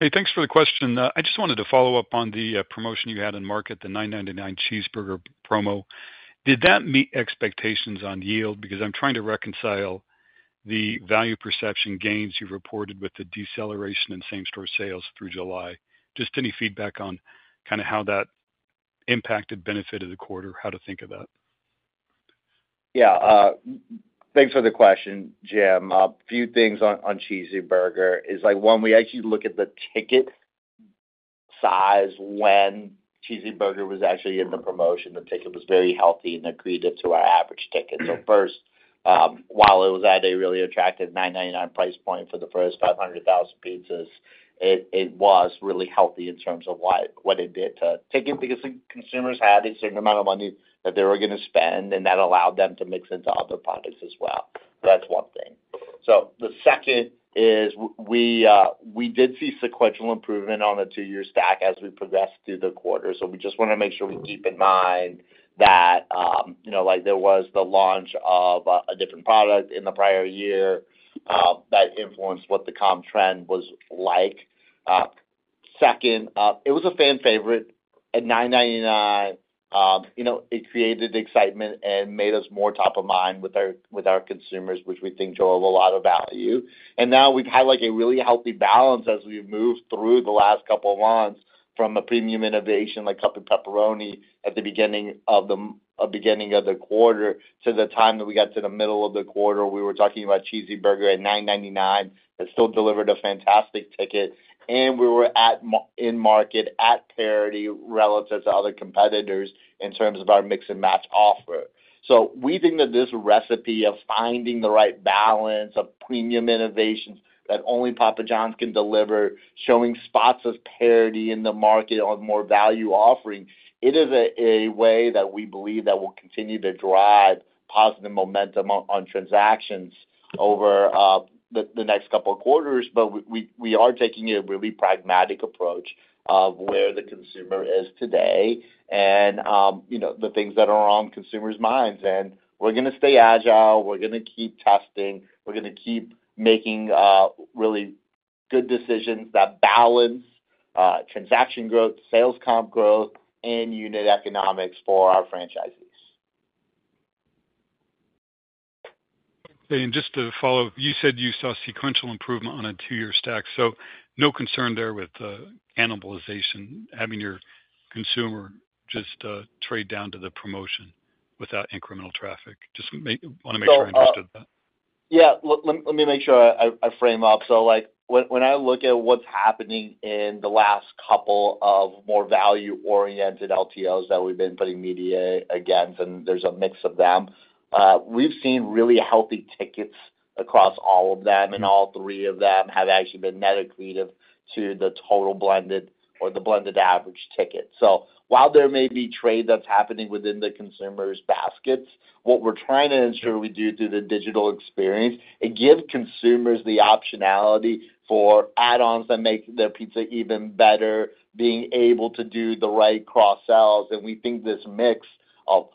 Hey, thanks for the question. I just wanted to follow up on the promotion you had in market, the $9.99 cheeseburger promo. Did that meet expectations on yield? Because I'm trying to reconcile the value perception gains you've reported with the deceleration in same store sales through July. Just any feedback on kind of how that impacted benefit of the quarter, how to think of that? Yeah, thanks for the question, Jim. A few things on Cheesy Burger Pizza, like, one, we actually look at the ticket size when Cheesy Burger Pizza was actually in the promotion. The ticket was very healthy and accretive to our average ticket. So first, while it was at a really attractive $9.99 price point for the first 500,000 pizzas, it was really healthy in terms of what it did to ticket, because consumers had a certain amount of money that they were gonna spend, and that allowed them to mix into other products as well. That's one thing. So the second is we did see sequential improvement on a two-year stack as we progressed through the quarter. We just want to make sure we keep in mind that, you know, like, there was the launch of a different product in the prior year that influenced what the comp trend was like. Second, it was a fan favorite. At $9.99, you know, it created excitement and made us more top of mind with our consumers, which we think drove a lot of value. And now we've had, like, a really healthy balance as we've moved through the last couple of months from a premium innovation, like Cubby Pepperoni at the beginning of the quarter to the time that we got to the middle of the quarter, we were talking about Cheesy Burger at $9.99. It still delivered a fantastic ticket, and we were at margin in market at parity relative to other competitors in terms of our mix and match offer. So we think that this recipe of finding the right balance of premium innovations that only Papa Johns can deliver, showing spots of parity in the market on more value offerings, it is a way that we believe that will continue to drive positive momentum on transactions over the next couple of quarters. But we are taking a really pragmatic approach of where the consumer is today and, you know, the things that are on consumers' minds. And we're gonna stay agile. We're gonna keep testing. We're gonna keep making really good decisions that balance transaction growth, sales comp growth, and unit economics for our franchisees. Just to follow up, you said you saw sequential improvement on a two-year stack, so no concern there with cannibalization, having your consumer just trade down to the promotion without incremental traffic? Just wanna make sure I understood that. So, yeah, let me make sure I frame up. So like, when I look at what's happening in the last couple of more value-oriented LTOs that we've been putting media against, and there's a mix of them, we've seen really healthy tickets across all of them, and all three of them have actually been net accretive to the total blended or the blended average ticket. So while there may be trade that's happening within the consumers' baskets, what we're trying to ensure we do through the digital experience, it give consumers the optionality for add-ons that make their pizza even better, being able to do the right cross-sells. We think this mix of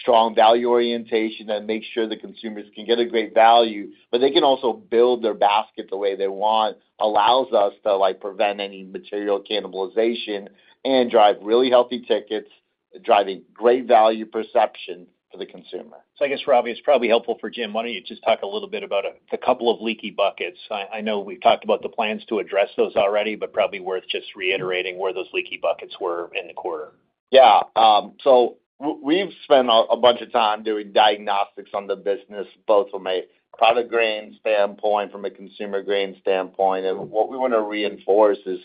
strong value orientation that makes sure the consumers can get a great value, but they can also build their basket the way they want, allows us to, like, prevent any material cannibalization and drive really healthy tickets, driving great value perception for the consumer. So I guess, Ravi, it's probably helpful for Jim. Why don't you just talk a little bit about a couple of leaky buckets? I know we've talked about the plans to address those already, but probably worth just reiterating where those leaky buckets were in the quarter. Yeah, so we've spent a bunch of time doing diagnostics on the business, both from a product grain standpoint, from a consumer grain standpoint. And what we want to reinforce is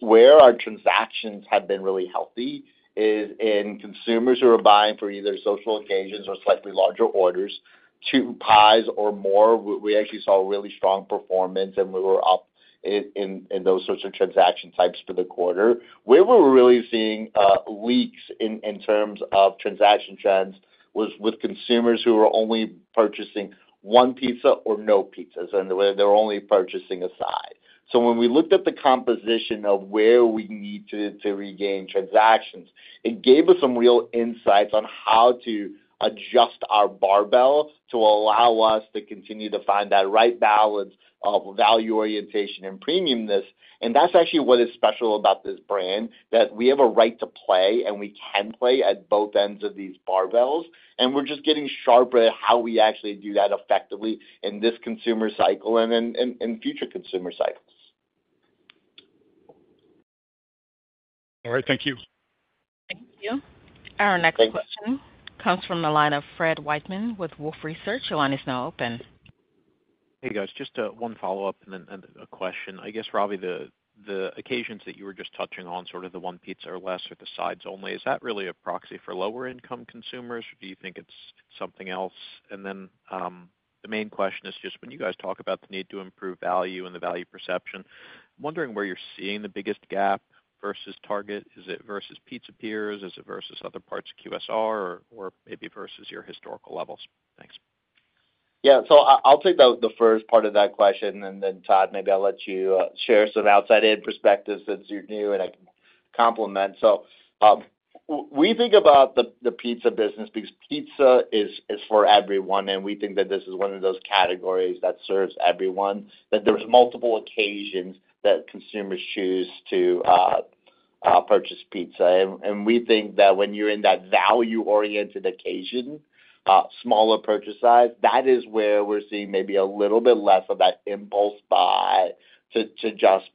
where our transactions have been really healthy is in consumers who are buying for either social occasions or slightly larger orders, two pies or more, we actually saw really strong performance, and we were up in those sorts of transaction types for the quarter. Where we're really seeing leaks in terms of transaction trends was with consumers who were only purchasing one pizza or no pizzas, and where they're only purchasing a side. So when we looked at the composition of where we need to regain transactions, it gave us some real insights on how to adjust our barbell to allow us to continue to find that right balance of value orientation and premiumness. That's actually what is special about this brand, that we have a right to play, and we can play at both ends of these barbells, and we're just getting sharper at how we actually do that effectively in this consumer cycle and in future consumer cycles. All right, thank you. Thank you. Our next question comes from the line of Fred Wightman with Wolfe Research. Your line is now open. Hey, guys, just one follow-up and then a question. I guess, Ravi, the occasions that you were just touching on, sort of the one pizza or less or the sides only, is that really a proxy for lower income consumers, or do you think it's something else? And then, the main question is just when you guys talk about the need to improve value and the value perception, I'm wondering where you're seeing the biggest gap versus target. Is it versus pizza peers? Is it versus other parts of QSR or maybe versus your historical levels? Thanks. Yeah, so I'll take the first part of that question, and then Todd, maybe I'll let you share some outside-in perspectives since you're new, and I can complement. So, we think about the pizza business because pizza is for everyone, and we think that this is one of those categories that serves everyone. That there's multiple occasions that consumers choose to purchase pizza. And we think that when you're in that value-oriented occasion, smaller purchase size, that is where we're seeing maybe a little bit less of that impulse buy to just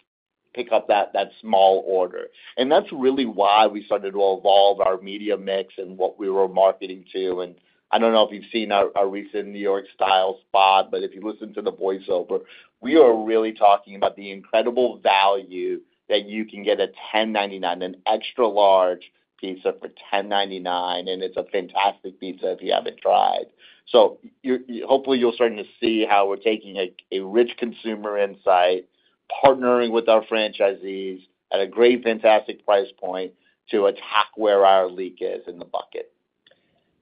pick up that small order. And that's really why we started to evolve our media mix and what we were marketing to. I don't know if you've seen our recent New York-style spot, but if you listen to the voiceover, we are really talking about the incredible value that you can get at $10.99, an extra large pizza for $10.99, and it's a fantastic pizza if you haven't tried. So you hopefully, you're starting to see how we're taking a rich consumer insight, partnering with our franchisees at a great, fantastic price point to attack where our leak is in the bucket.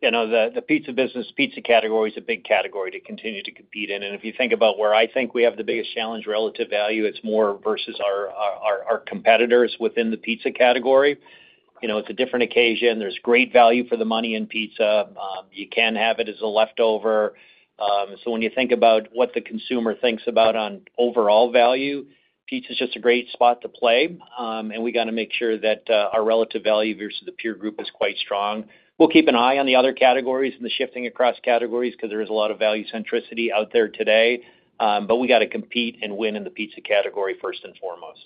You know, the pizza business, pizza category is a big category to continue to compete in. If you think about where I think we have the biggest challenge, relative value, it's more versus our competitors within the pizza category. You know, it's a different occasion. There's great value for the money in pizza. You can have it as a leftover. So when you think about what the consumer thinks about on overall value, pizza is just a great spot to play, and we gotta make sure that our relative value versus the peer group is quite strong. We'll keep an eye on the other categories and the shifting across categories because there is a lot of value centricity out there today, but we got to compete and win in the pizza category, first and foremost.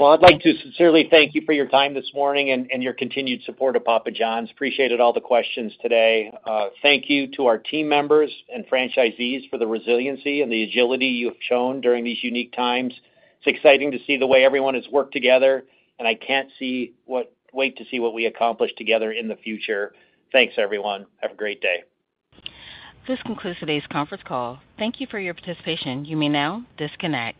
Well, I'd like to sincerely thank you for your time this morning and your continued support of Papa Johns. Appreciated all the questions today. Thank you to our team members and franchisees for the resiliency and the agility you have shown during these unique times. It's exciting to see the way everyone has worked together, and I can't see what--wait to see what we accomplish together in the future. Thanks, everyone. Have a great day. This concludes today's conference call. Thank you for your participation. You may now disconnect.